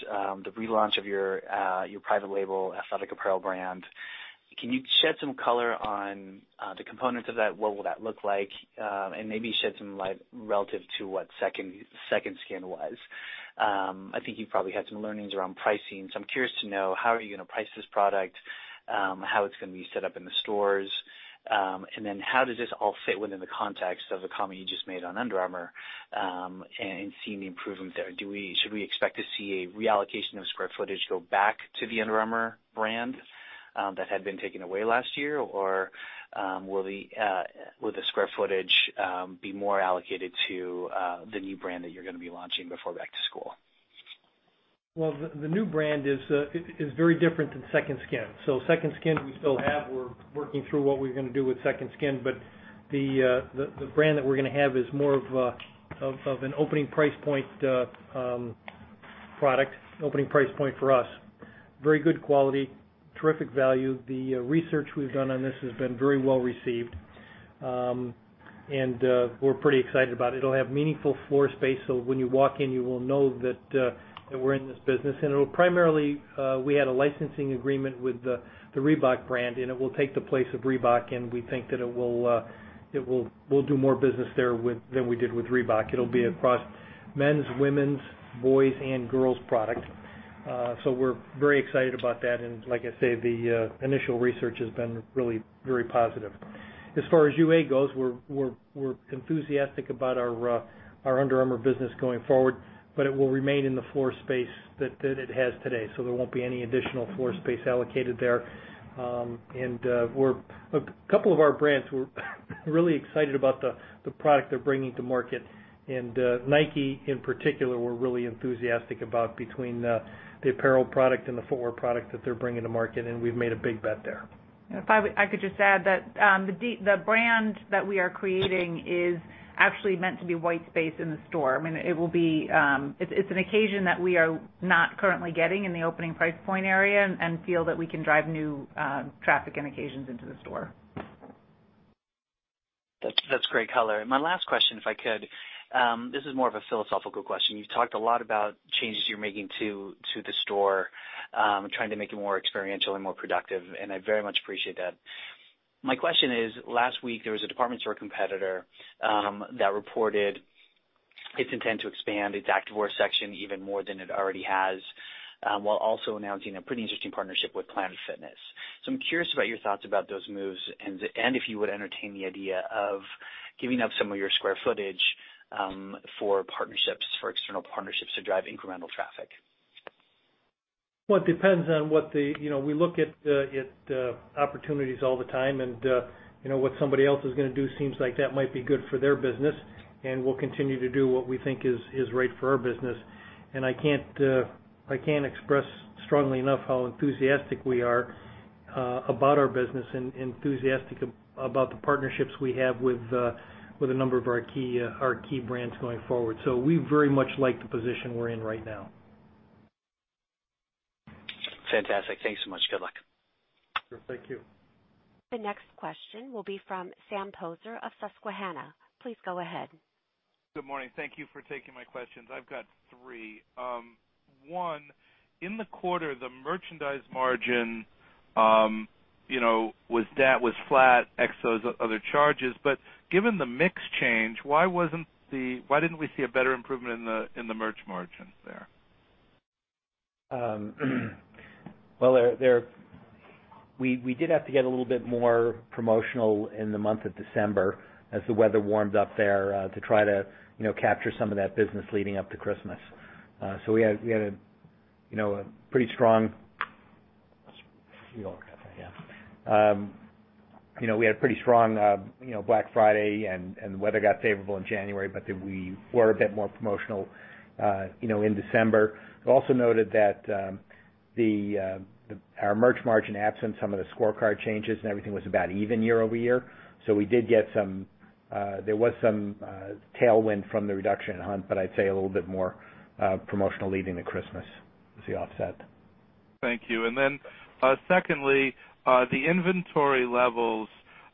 [SPEAKER 13] the relaunch of your private label athletic apparel brand. Can you shed some color on the components of that, what will that look like? Maybe shed some light relative to what Second Skin was. I think you probably had some learnings around pricing. I'm curious to know how are you going to price this product, how it's going to be set up in the stores, then how does this all fit within the context of the comment you just made on Under Armour, and seeing the improvements there. Should we expect to see a reallocation of square footage go back to the Under Armour brand that had been taken away last year, or will the square footage be more allocated to the new brand that you're going to be launching before back to school?
[SPEAKER 3] The new brand is very different than Second Skin. Second Skin, we still have, we're working through what we're going to do with Second Skin. The brand that we're going to have is more of an opening price point product. Opening price point for us. Very good quality, terrific value. The research we've done on this has been very well-received. We're pretty excited about it. It'll have meaningful floor space, so when you walk in, you will know that we're in this business. It will primarily-- we had a licensing agreement with the Reebok brand, and it will take the place of Reebok, and we think that we'll do more business there than we did with Reebok. It'll be across men's, women's, boys, and girls product. We're very excited about that. Like I say, the initial research has been really very positive. As far as UA goes, we're enthusiastic about our Under Armour business going forward, but it will remain in the floor space that it has today. There won't be any additional floor space allocated there. A couple of our brands, we're really excited about the product they're bringing to market. Nike, in particular, we're really enthusiastic about between the apparel product and the footwear product that they're bringing to market, and we've made a big bet there.
[SPEAKER 4] If I could just add that the brand that we are creating is actually meant to be white space in the store. It's an occasion that we are not currently getting in the opening price point area and feel that we can drive new traffic and occasions into the store.
[SPEAKER 13] That's great color. My last question, if I could. This is more of a philosophical question. You've talked a lot about changes you're making to the store, trying to make it more experiential and more productive, and I very much appreciate that. My question is, last week, there was a department store competitor that reported its intent to expand its activewear section even more than it already has, while also announcing a pretty interesting partnership with Planet Fitness. I'm curious about your thoughts about those moves and if you would entertain the idea of giving up some of your square footage for external partnerships to drive incremental traffic.
[SPEAKER 3] Well, it depends. We look at opportunities all the time, what somebody else is going to do seems like that might be good for their business, and we'll continue to do what we think is right for our business. I can't express strongly enough how enthusiastic we are about our business and enthusiastic about the partnerships we have with a number of our key brands going forward. We very much like the position we're in right now.
[SPEAKER 13] Fantastic. Thanks so much. Good luck.
[SPEAKER 3] Thank you.
[SPEAKER 1] The next question will be from Sam Poser of Susquehanna. Please go ahead.
[SPEAKER 14] Good morning. Thank you for taking my questions. I've got three. One, in the quarter, the merchandise margin was flat, ex those other charges. Given the mix change, why didn't we see a better improvement in the merch margins there?
[SPEAKER 5] Well, we did have to get a little bit more promotional in the month of December as the weather warmed up there, to try to capture some of that business leading up to Christmas. We had a pretty strong Black Friday, and the weather got favorable in January. We were a bit more promotional in December. We also noted that our merch margin, absent some of the scorecard changes and everything, was about even year-over-year. There was some tailwind from the reduction in hunt, but I'd say a little bit more promotional leading to Christmas was the offset.
[SPEAKER 14] Thank you. Secondly, the inventory levels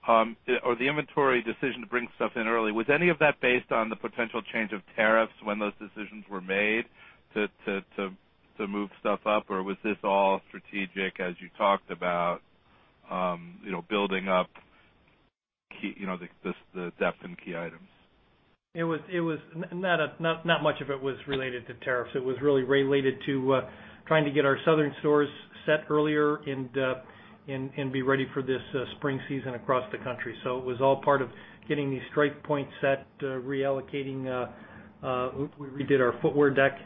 [SPEAKER 14] or the inventory decision to bring stuff in early, was any of that based on the potential change of tariffs when those decisions were made to move stuff up? Was this all strategic, as you talked about building up the depth in key items?
[SPEAKER 3] Not much of it was related to tariffs. It was really related to trying to get our southern stores set earlier and be ready for this spring season across the country. It was all part of getting these strike points set, reallocating. We redid our footwear deck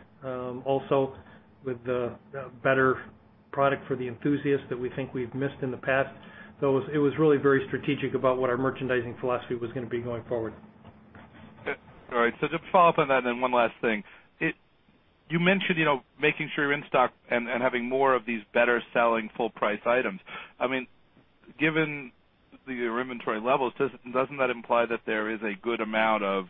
[SPEAKER 3] also with better product for the enthusiasts that we think we've missed in the past. It was really very strategic about what our merchandising philosophy was going to be going forward.
[SPEAKER 14] All right. Just to follow up on that, one last thing. You mentioned making sure you're in stock and having more of these better-selling full-price items. Given your inventory levels, doesn't that imply that there is a good amount of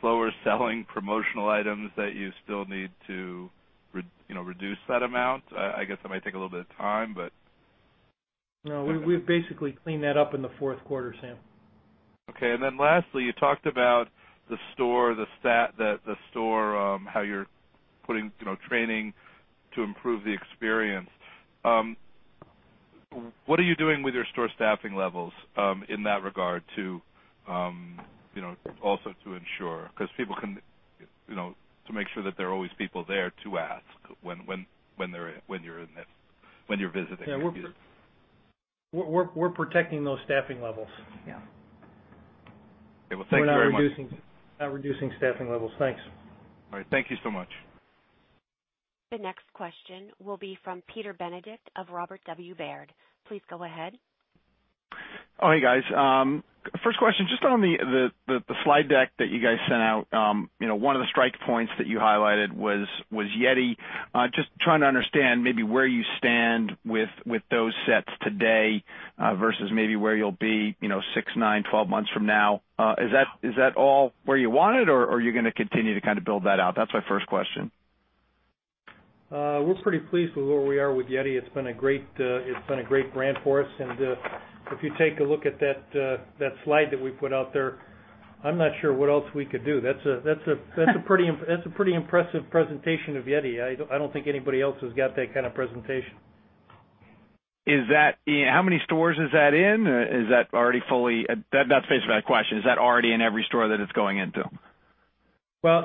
[SPEAKER 14] slower-selling promotional items that you still need to reduce that amount? I guess that might take a little bit of time.
[SPEAKER 3] No, we've basically cleaned that up in the fourth quarter, Sam.
[SPEAKER 14] Okay. Lastly, you talked about the store, how you're putting training to improve the experience. What are you doing with your store staffing levels, in that regard to, also to ensure to make sure that there are always people there to ask when you're visiting.
[SPEAKER 3] Yeah. We're protecting those staffing levels.
[SPEAKER 4] Yeah.
[SPEAKER 14] Okay. Well, thank you very much.
[SPEAKER 3] We're not reducing staffing levels. Thanks.
[SPEAKER 14] All right. Thank you so much.
[SPEAKER 1] The next question will be from Peter Benedict of Robert W. Baird. Please go ahead.
[SPEAKER 15] Oh, hey, guys. First question, just on the slide deck that you guys sent out. One of the strike points that you highlighted was YETI. Just trying to understand maybe where you stand with those sets today, versus maybe where you'll be six, nine, 12 months from now. Is that all where you want it, or are you going to continue to build that out? That's my first question.
[SPEAKER 3] We're pretty pleased with where we are with YETI. It's been a great brand for us. If you take a look at that slide that we put out there, I'm not sure what else we could do. That's a pretty impressive presentation of YETI. I don't think anybody else has got that kind of presentation.
[SPEAKER 15] How many stores is that in? Is that already fully—that's basically my question. Is that already in every store that it's going into?
[SPEAKER 3] Well,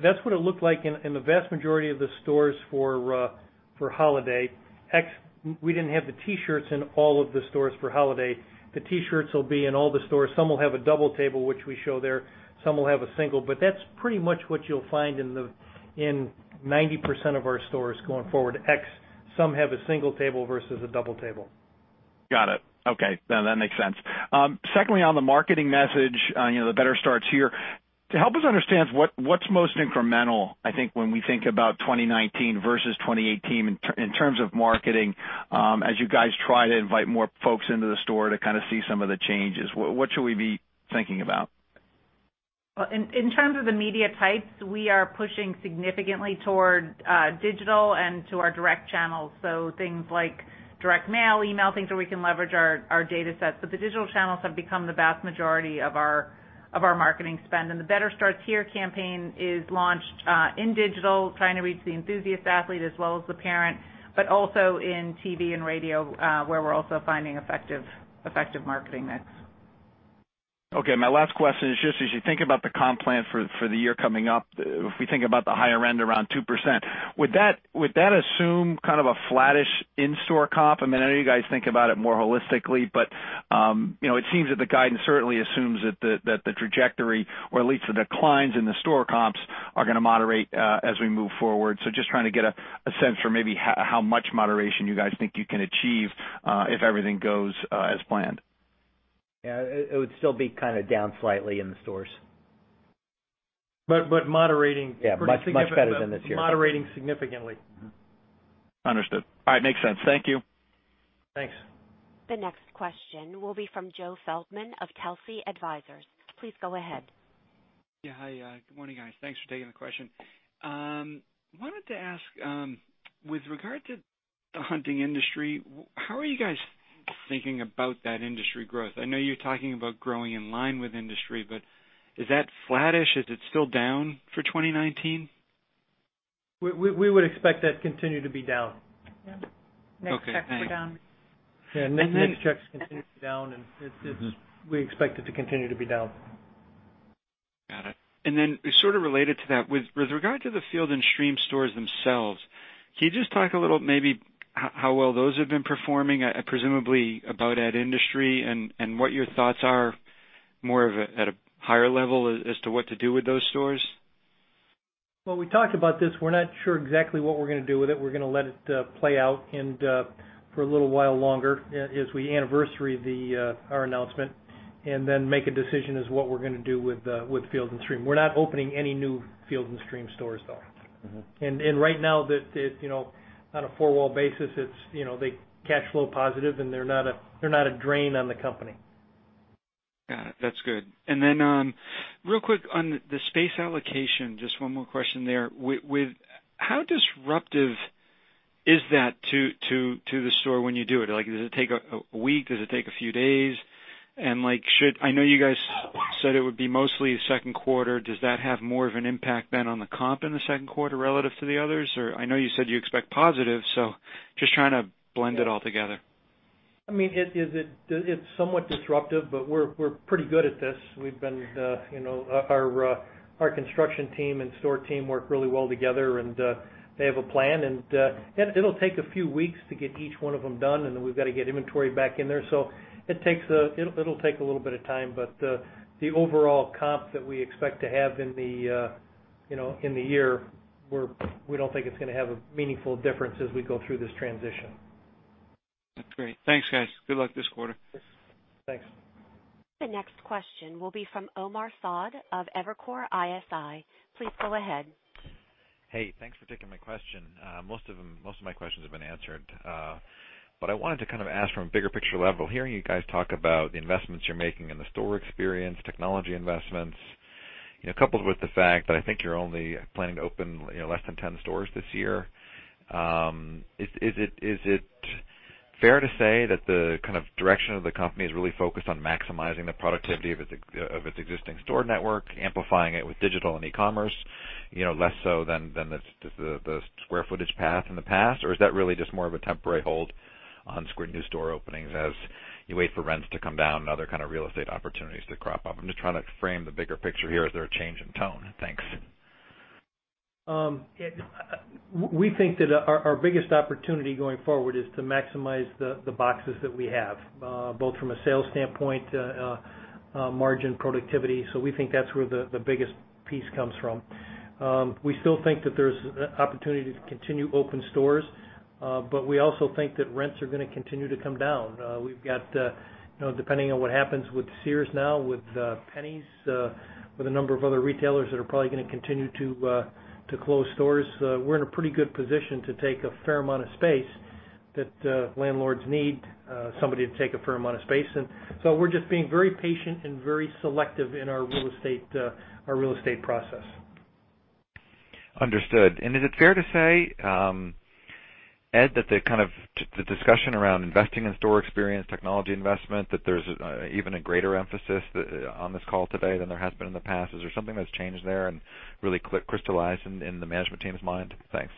[SPEAKER 3] that's what it looked like in the vast majority of the stores for holiday. We didn't have the T-shirts in all of the stores for holiday. The T-shirts will be in all the stores. Some will have a double table, which we show there. Some will have a single. That's pretty much what you'll find in 90% of our stores going forward. Some have a single table versus a double table.
[SPEAKER 15] Got it. Okay. No, that makes sense. Secondly, on the marketing message, the "Better Starts Here." To help us understand what's most incremental, I think, when we think about 2019 versus 2018 in terms of marketing, as you guys try to invite more folks into the store to see some of the changes. What should we be thinking about?
[SPEAKER 4] Well, in terms of the media types, we are pushing significantly toward digital and to our direct channels. Things like direct mail, email, things where we can leverage our data sets. The digital channels have become the vast majority of our marketing spend. The "Better Starts Here" campaign is launched in digital, trying to reach the enthusiast athlete as well as the parent, but also in TV and radio, where we're also finding effective marketing mix.
[SPEAKER 15] Okay. My last question is just as you think about the comp plans for the year coming up, if we think about the higher end around 2%, would that assume kind of a flattish in-store comp? I know you guys think about it more holistically, but it seems that the guidance certainly assumes that the trajectory, or at least the declines in the store comps, are going to moderate as we move forward. Just trying to get a sense for maybe how much moderation you guys think you can achieve, if everything goes as planned.
[SPEAKER 5] Yeah. It would still be kind of down slightly in the stores.
[SPEAKER 3] Moderating-
[SPEAKER 5] Yeah, much better than this year
[SPEAKER 3] Moderating significantly.
[SPEAKER 15] Understood. All right. Makes sense. Thank you.
[SPEAKER 3] Thanks.
[SPEAKER 1] The next question will be from Joe Feldman of Telsey Advisory. Please go ahead.
[SPEAKER 16] Yeah. Hi. Good morning, guys. Thanks for taking the question. Wanted to ask, with regard to the hunting industry, how are you guys thinking about that industry growth? I know you're talking about growing in line with industry, but is that flattish? Is it still down for 2019?
[SPEAKER 3] We would expect that to continue to be down.
[SPEAKER 4] Yeah.
[SPEAKER 16] Okay.
[SPEAKER 4] NICS checks were down.
[SPEAKER 3] Yeah. NICS checks continue to be down and we expect it to continue to be down.
[SPEAKER 16] Got it. Sort of related to that, with regard to the Field & Stream stores themselves, can you just talk a little maybe how well those have been performing, presumably about that industry, and what your thoughts are more at a higher level as to what to do with those stores?
[SPEAKER 3] Well, we talked about this. We're not sure exactly what we're going to do with it. We're going to let it play out for a little while longer as we anniversary our announcement, and then make a decision as what we're going to do with Field & Stream. We're not opening any new Field & Stream stores though. Right now, on a four-wall basis, they cash flow positive and they're not a drain on the company.
[SPEAKER 16] Got it. That's good. Real quick on the space allocation, just one more question there. How disruptive is that to the store when you do it? Does it take a week? Does it take a few days? I know you guys said it would be mostly second quarter. Does that have more of an impact then on the comp in the second quarter relative to the others, or I know you said you expect positive, so just trying to blend it all together.
[SPEAKER 3] It's somewhat disruptive, but we're pretty good at this. We've been, you know, our construction team and store team work really well together, and they have a plan. It'll take a few weeks to get each one of them done, and then we've got to get inventory back in there. It'll take a little bit of time, but the overall comps that we expect to have in the year, we don't think it's going to have a meaningful difference as we go through this transition.
[SPEAKER 16] That's great. Thanks, guys. Good luck this quarter.
[SPEAKER 3] Thanks.
[SPEAKER 1] The next question will be from Omar Saad of Evercore ISI. Please go ahead.
[SPEAKER 17] Hey, thanks for taking my question. Most of my questions have been answered. I wanted to kind of ask from a bigger picture level, hearing you guys talk about the investments you're making in the store experience, technology investments. Coupled with the fact that I think you're only planning to open less than 10 stores this year, is it fair to say that the direction of the company is really focused on maximizing the productivity of its existing store network, amplifying it with digital and e-commerce, less so than the square footage path in the past? Is that really just more of a temporary hold on new store openings as you wait for rents to come down and other kind of real estate opportunities to crop up? I'm just trying to frame the bigger picture here. Is there a change in tone? Thanks.
[SPEAKER 3] We think that our biggest opportunity going forward is to maximize the boxes that we have, both from a sales standpoint, margin, productivity. We think that's where the biggest piece comes from. We still think that there's opportunity to continue open stores. We also think that rents are going to continue to come down. We've got—depending on what happens with Sears now, with JCPenney, with a number of other retailers that are probably going to continue to close stores, we're in a pretty good position to take a fair amount of space, that landlords need somebody to take a fair amount of space. We're just being very patient and very selective in our real estate process.
[SPEAKER 17] Understood. Is it fair to say, Ed, that the discussion around investing in store experience, technology investment, that there's even a greater emphasis on this call today than there has been in the past? Is there something that's changed there and really crystallized in the management team's mind? Thanks.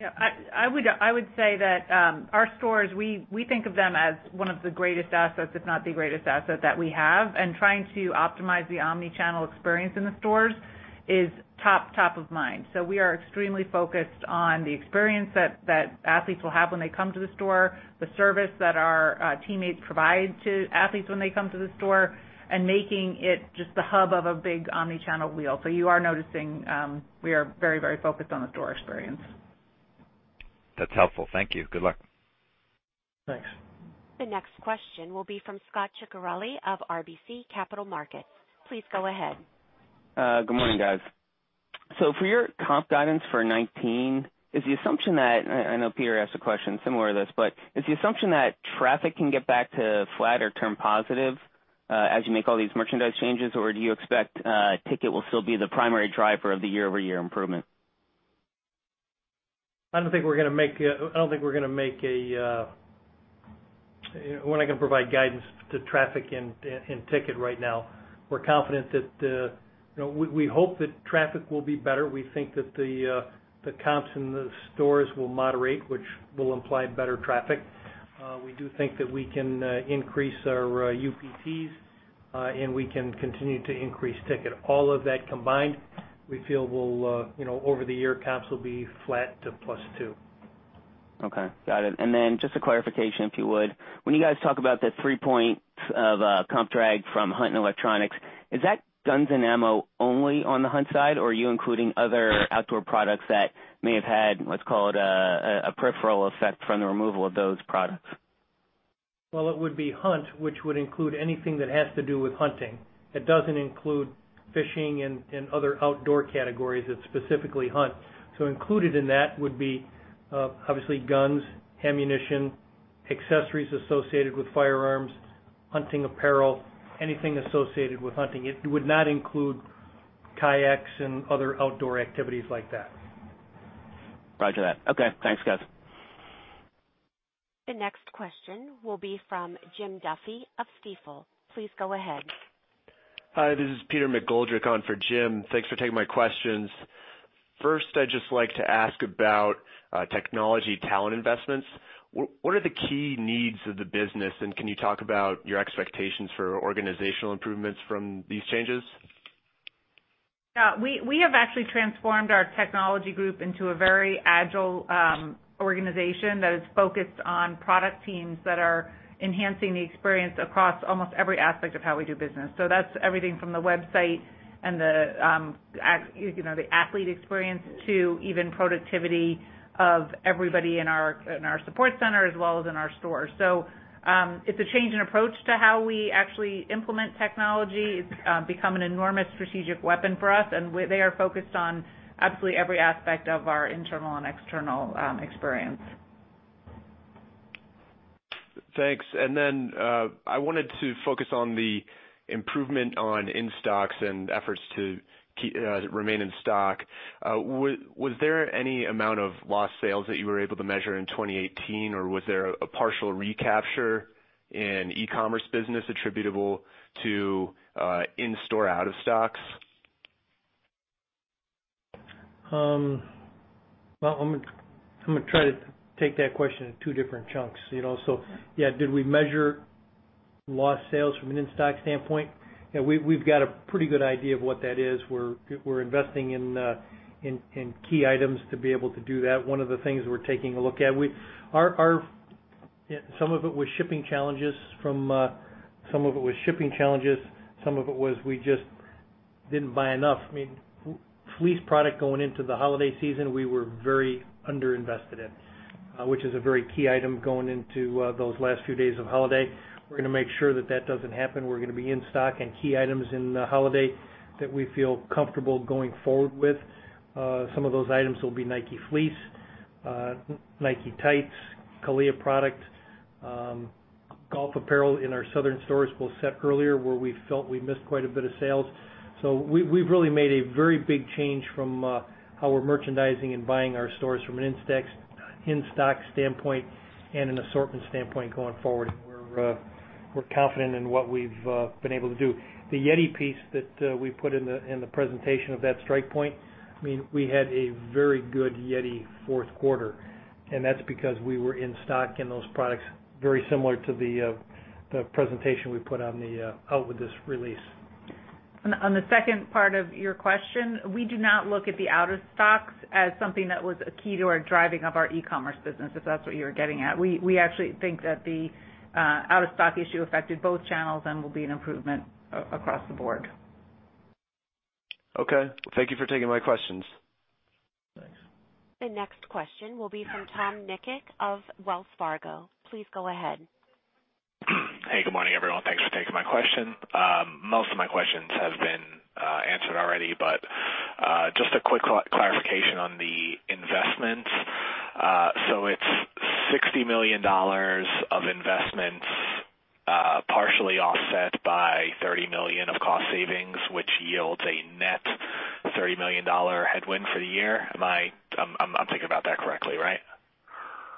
[SPEAKER 4] Yeah. I would say that our stores, we think of them as one of the greatest assets, if not the greatest asset that we have. Trying to optimize the omni-channel experience in the stores is top of mind. We are extremely focused on the experience that athletes will have when they come to the store, the service that our teammates provide to athletes when they come to the store, and making it just the hub of a big omni-channel wheel. You are noticing, we are very focused on the store experience.
[SPEAKER 17] That's helpful. Thank you. Good luck.
[SPEAKER 3] Thanks.
[SPEAKER 1] The next question will be from Scot Ciccarelli of RBC Capital Markets. Please go ahead.
[SPEAKER 18] Good morning, guys. For your comp guidance for 2019, is the assumption that, I know Peter asked a question similar to this, but is the assumption that traffic can get back to flat or turn positive as you make all these merchandise changes? Or do you expect ticket will still be the primary driver of the year-over-year improvement?
[SPEAKER 3] I don't think we're going to provide guidance to traffic and ticket right now. We hope that traffic will be better. We think that the comps in the stores will moderate, which will imply better traffic. We do think that we can increase our UPTs, and we can continue to increase ticket. All of that combined, we feel over the year comps will be flat to +2%.
[SPEAKER 18] Okay. Got it. Just a clarification, if you would. When you guys talk about the three points of comp drag from hunt and electronics, is that guns and ammo only on the hunt side, or are you including other outdoor products that may have had, let's call it, a peripheral effect from the removal of those products?
[SPEAKER 3] Well, it would be hunt, which would include anything that has to do with hunting. It doesn't include fishing and other outdoor categories. It's specifically hunt. Included in that would be, obviously, guns, ammunition, accessories associated with firearms, hunting apparel, anything associated with hunting. It would not include kayaks and other outdoor activities like that.
[SPEAKER 18] Roger that. Okay. Thanks, guys.
[SPEAKER 1] The next question will be from Jim Duffy of Stifel. Please go ahead.
[SPEAKER 19] Hi, this is Peter McGoldrick on for Jim. Thanks for taking my questions. First, I'd just like to ask about technology talent investments. What are the key needs of the business, and can you talk about your expectations for organizational improvements from these changes?
[SPEAKER 4] We have actually transformed our technology group into a very agile organization that is focused on product teams that are enhancing the experience across almost every aspect of how we do business. That's everything from the website and the athlete experience to even productivity of everybody in our support center as well as in our stores. It's a change in approach to how we actually implement technology. It's become an enormous strategic weapon for us, and they are focused on absolutely every aspect of our internal and external experience.
[SPEAKER 19] Thanks. Then, I wanted to focus on the improvement on in-stocks and efforts to remain in stock. Was there any amount of lost sales that you were able to measure in 2018, or was there a partial recapture in e-commerce business attributable to in-store, out of stocks?
[SPEAKER 3] I'm going to try to take that question in two different chunks. Did we measure lost sales from an in-stock standpoint? We've got a pretty good idea of what that is. We're investing in key items to be able to do that. One of the things we're taking a look at, some of it was shipping challenges, some of it was we just didn't buy enough. Fleece product going into the holiday season, we were very under-invested in. Which is a very key item going into those last few days of holiday. We're going to make sure that that doesn't happen. We're going to be in stock on key items in the holiday that we feel comfortable going forward with. Some of those items will be Nike Fleece, Nike tights, CALIA product. Golf apparel in our southern stores will set earlier where we felt we missed quite a bit of sales. We've really made a very big change from how we're merchandising and buying our stores from an in-stock standpoint and an assortment standpoint going forward. We're confident in what we've been able to do. The YETI piece that we put in the presentation of that strike point, we had a very good YETI fourth quarter, and that's because we were in stock in those products, very similar to the presentation we put out with this release.
[SPEAKER 4] On the second part of your question, we do not look at the out-of-stocks as something that was a key to our driving of our e-commerce business, if that's what you were getting at. We actually think that the out-of-stock issue affected both channels and will be an improvement across the board.
[SPEAKER 19] Okay. Thank you for taking my questions.
[SPEAKER 3] Thanks.
[SPEAKER 1] The next question will be from Tom Nikic of Wells Fargo. Please go ahead.
[SPEAKER 20] Hey, good morning, everyone. Thanks for taking my question. Most of my questions have been answered already, but just a quick clarification on the investment. It's $60 million of investments, partially offset by $30 million of cost savings, which yields a net $30 million headwind for the year. I'm thinking about that correctly, right?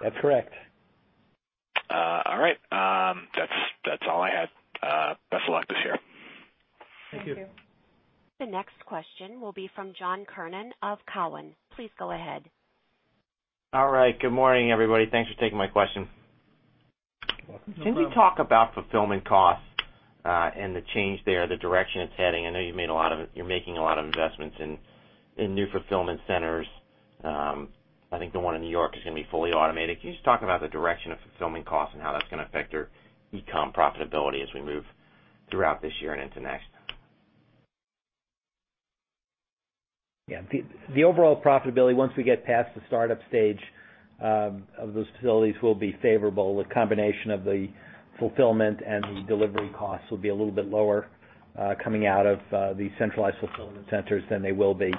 [SPEAKER 3] That's correct.
[SPEAKER 20] All right. That's all I had. Best of luck this year.
[SPEAKER 3] Thank you.
[SPEAKER 4] Thank you.
[SPEAKER 1] The next question will be from John Kernan of Cowen. Please go ahead.
[SPEAKER 21] All right. Good morning, everybody. Thanks for taking my question.
[SPEAKER 3] Welcome.
[SPEAKER 21] Can we talk about fulfillment costs and the change there, the direction it's heading? I know you're making a lot of investments in new fulfillment centers. I think the one in New York is going to be fully automated. Can you just talk about the direction of fulfillment costs and how that's going to affect your e-com profitability as we move throughout this year and into next?
[SPEAKER 3] Yeah. The overall profitability, once we get past the startup stage of those facilities, will be favorable. The combination of the fulfillment and the delivery costs will be a little bit lower coming out of the centralized fulfillment centers than they will be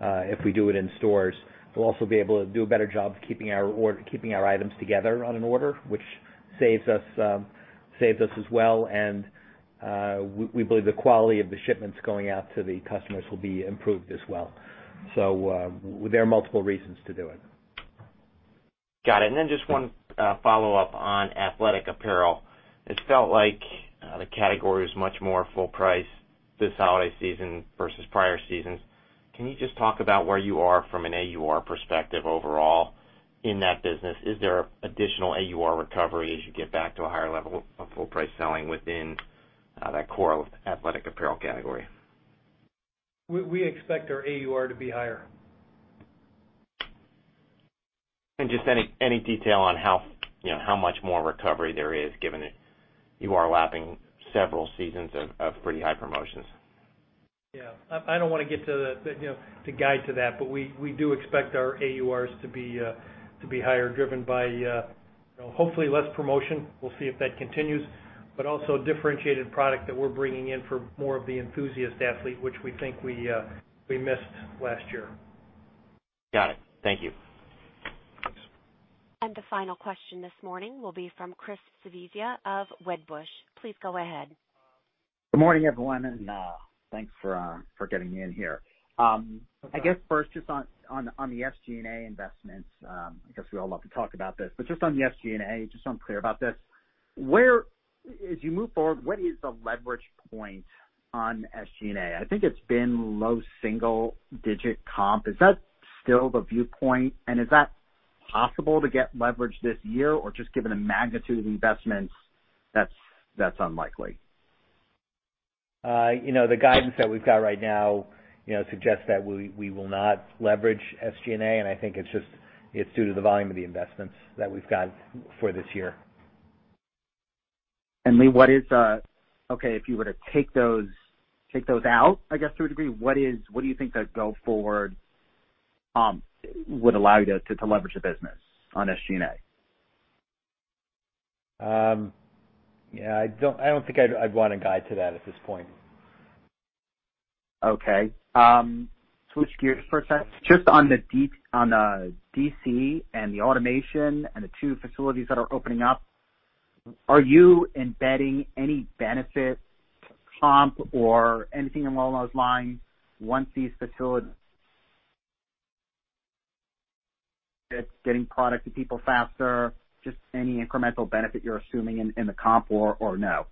[SPEAKER 3] if we do it in stores. We'll also be able to do a better job keeping our items together on an order, which saves us as well. We believe the quality of the shipments going out to the customers will be improved as well. There are multiple reasons to do it.
[SPEAKER 21] Got it. Then just one follow-up on athletic apparel. It felt like the category was much more full price this holiday season versus prior seasons. Can you just talk about where you are from an AUR perspective overall in that business? Is there additional AUR recovery as you get back to a higher level of full price selling within that core athletic apparel category?
[SPEAKER 3] We expect our AUR to be higher.
[SPEAKER 21] Just any detail on how much more recovery there is given that you are lapping several seasons of pretty high promotions.
[SPEAKER 3] Yeah. I don't want to get to guide to that, we do expect our AURs to be higher, driven by hopefully less promotion. We'll see if that continues. Also differentiated product that we're bringing in for more of the enthusiast athlete, which we think we missed last year.
[SPEAKER 21] Got it. Thank you.
[SPEAKER 3] Thanks.
[SPEAKER 1] The final question this morning will be from Chris Svezia of Wedbush. Please go ahead.
[SPEAKER 22] Good morning, everyone, and thanks for getting me in here.
[SPEAKER 3] No problem.
[SPEAKER 22] I guess first, just on the SG&A investments, because we all love to talk about this, but just on the SG&A, just so I'm clear about this, as you move forward, what is the leverage point on SG&A? I think it's been low single digit comp. Is that still the viewpoint? Is that possible to get leverage this year, or just given the magnitude of the investments, that's unlikely.
[SPEAKER 5] The guidance that we've got right now suggests that we will not leverage SG&A, and I think it's due to the volume of the investments that we've got for this year.
[SPEAKER 22] Lee, if you were to take those out, I guess to a degree, what do you think that go forward would allow you to leverage the business on SG&A?
[SPEAKER 5] Yeah. I don't think I'd want to guide to that at this point.
[SPEAKER 22] Okay. Switch gears for a second. Just on the DC and the automation and the two facilities that are opening up, are you embedding any benefit to comp or anything along those lines once these facilities getting product to people faster, just any incremental benefit you're assuming in the comp or no?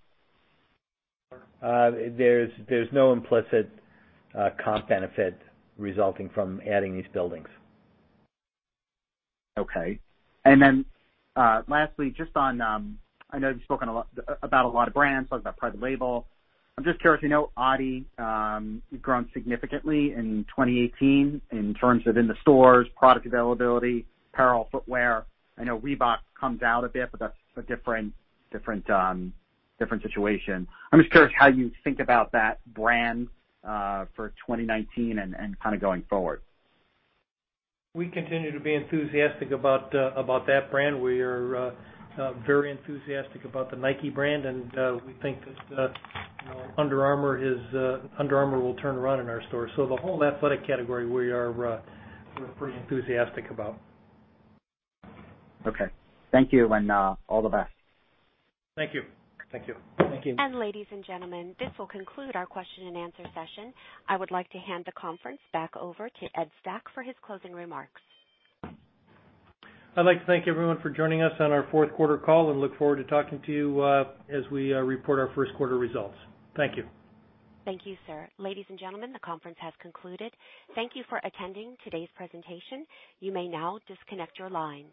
[SPEAKER 5] There's no implicit comp benefit resulting from adding these buildings.
[SPEAKER 22] Okay. Lastly, I know you've spoken about a lot of brands, talked about private label. I'm just curious, I know adidas grown significantly in 2018 in terms of in the stores, product availability, apparel, footwear. I know Reebok comes out a bit, but that's a different situation. I'm just curious how you think about that brand for 2019 and going forward.
[SPEAKER 3] We continue to be enthusiastic about that brand. We are very enthusiastic about the Nike brand, and we think that Under Armour will turn around in our stores. The whole athletic category, we're pretty enthusiastic about.
[SPEAKER 22] Okay. Thank you, and all the best.
[SPEAKER 3] Thank you.
[SPEAKER 4] Thank you.
[SPEAKER 5] Thank you.
[SPEAKER 1] Ladies and gentlemen, this will conclude our question and answer session. I would like to hand the conference back over to Ed Stack for his closing remarks.
[SPEAKER 3] I'd like to thank everyone for joining us on our fourth quarter call and look forward to talking to you as we report our first quarter results. Thank you.
[SPEAKER 1] Thank you, sir. Ladies and gentlemen, the conference has concluded. Thank you for attending today's presentation. You may now disconnect your lines.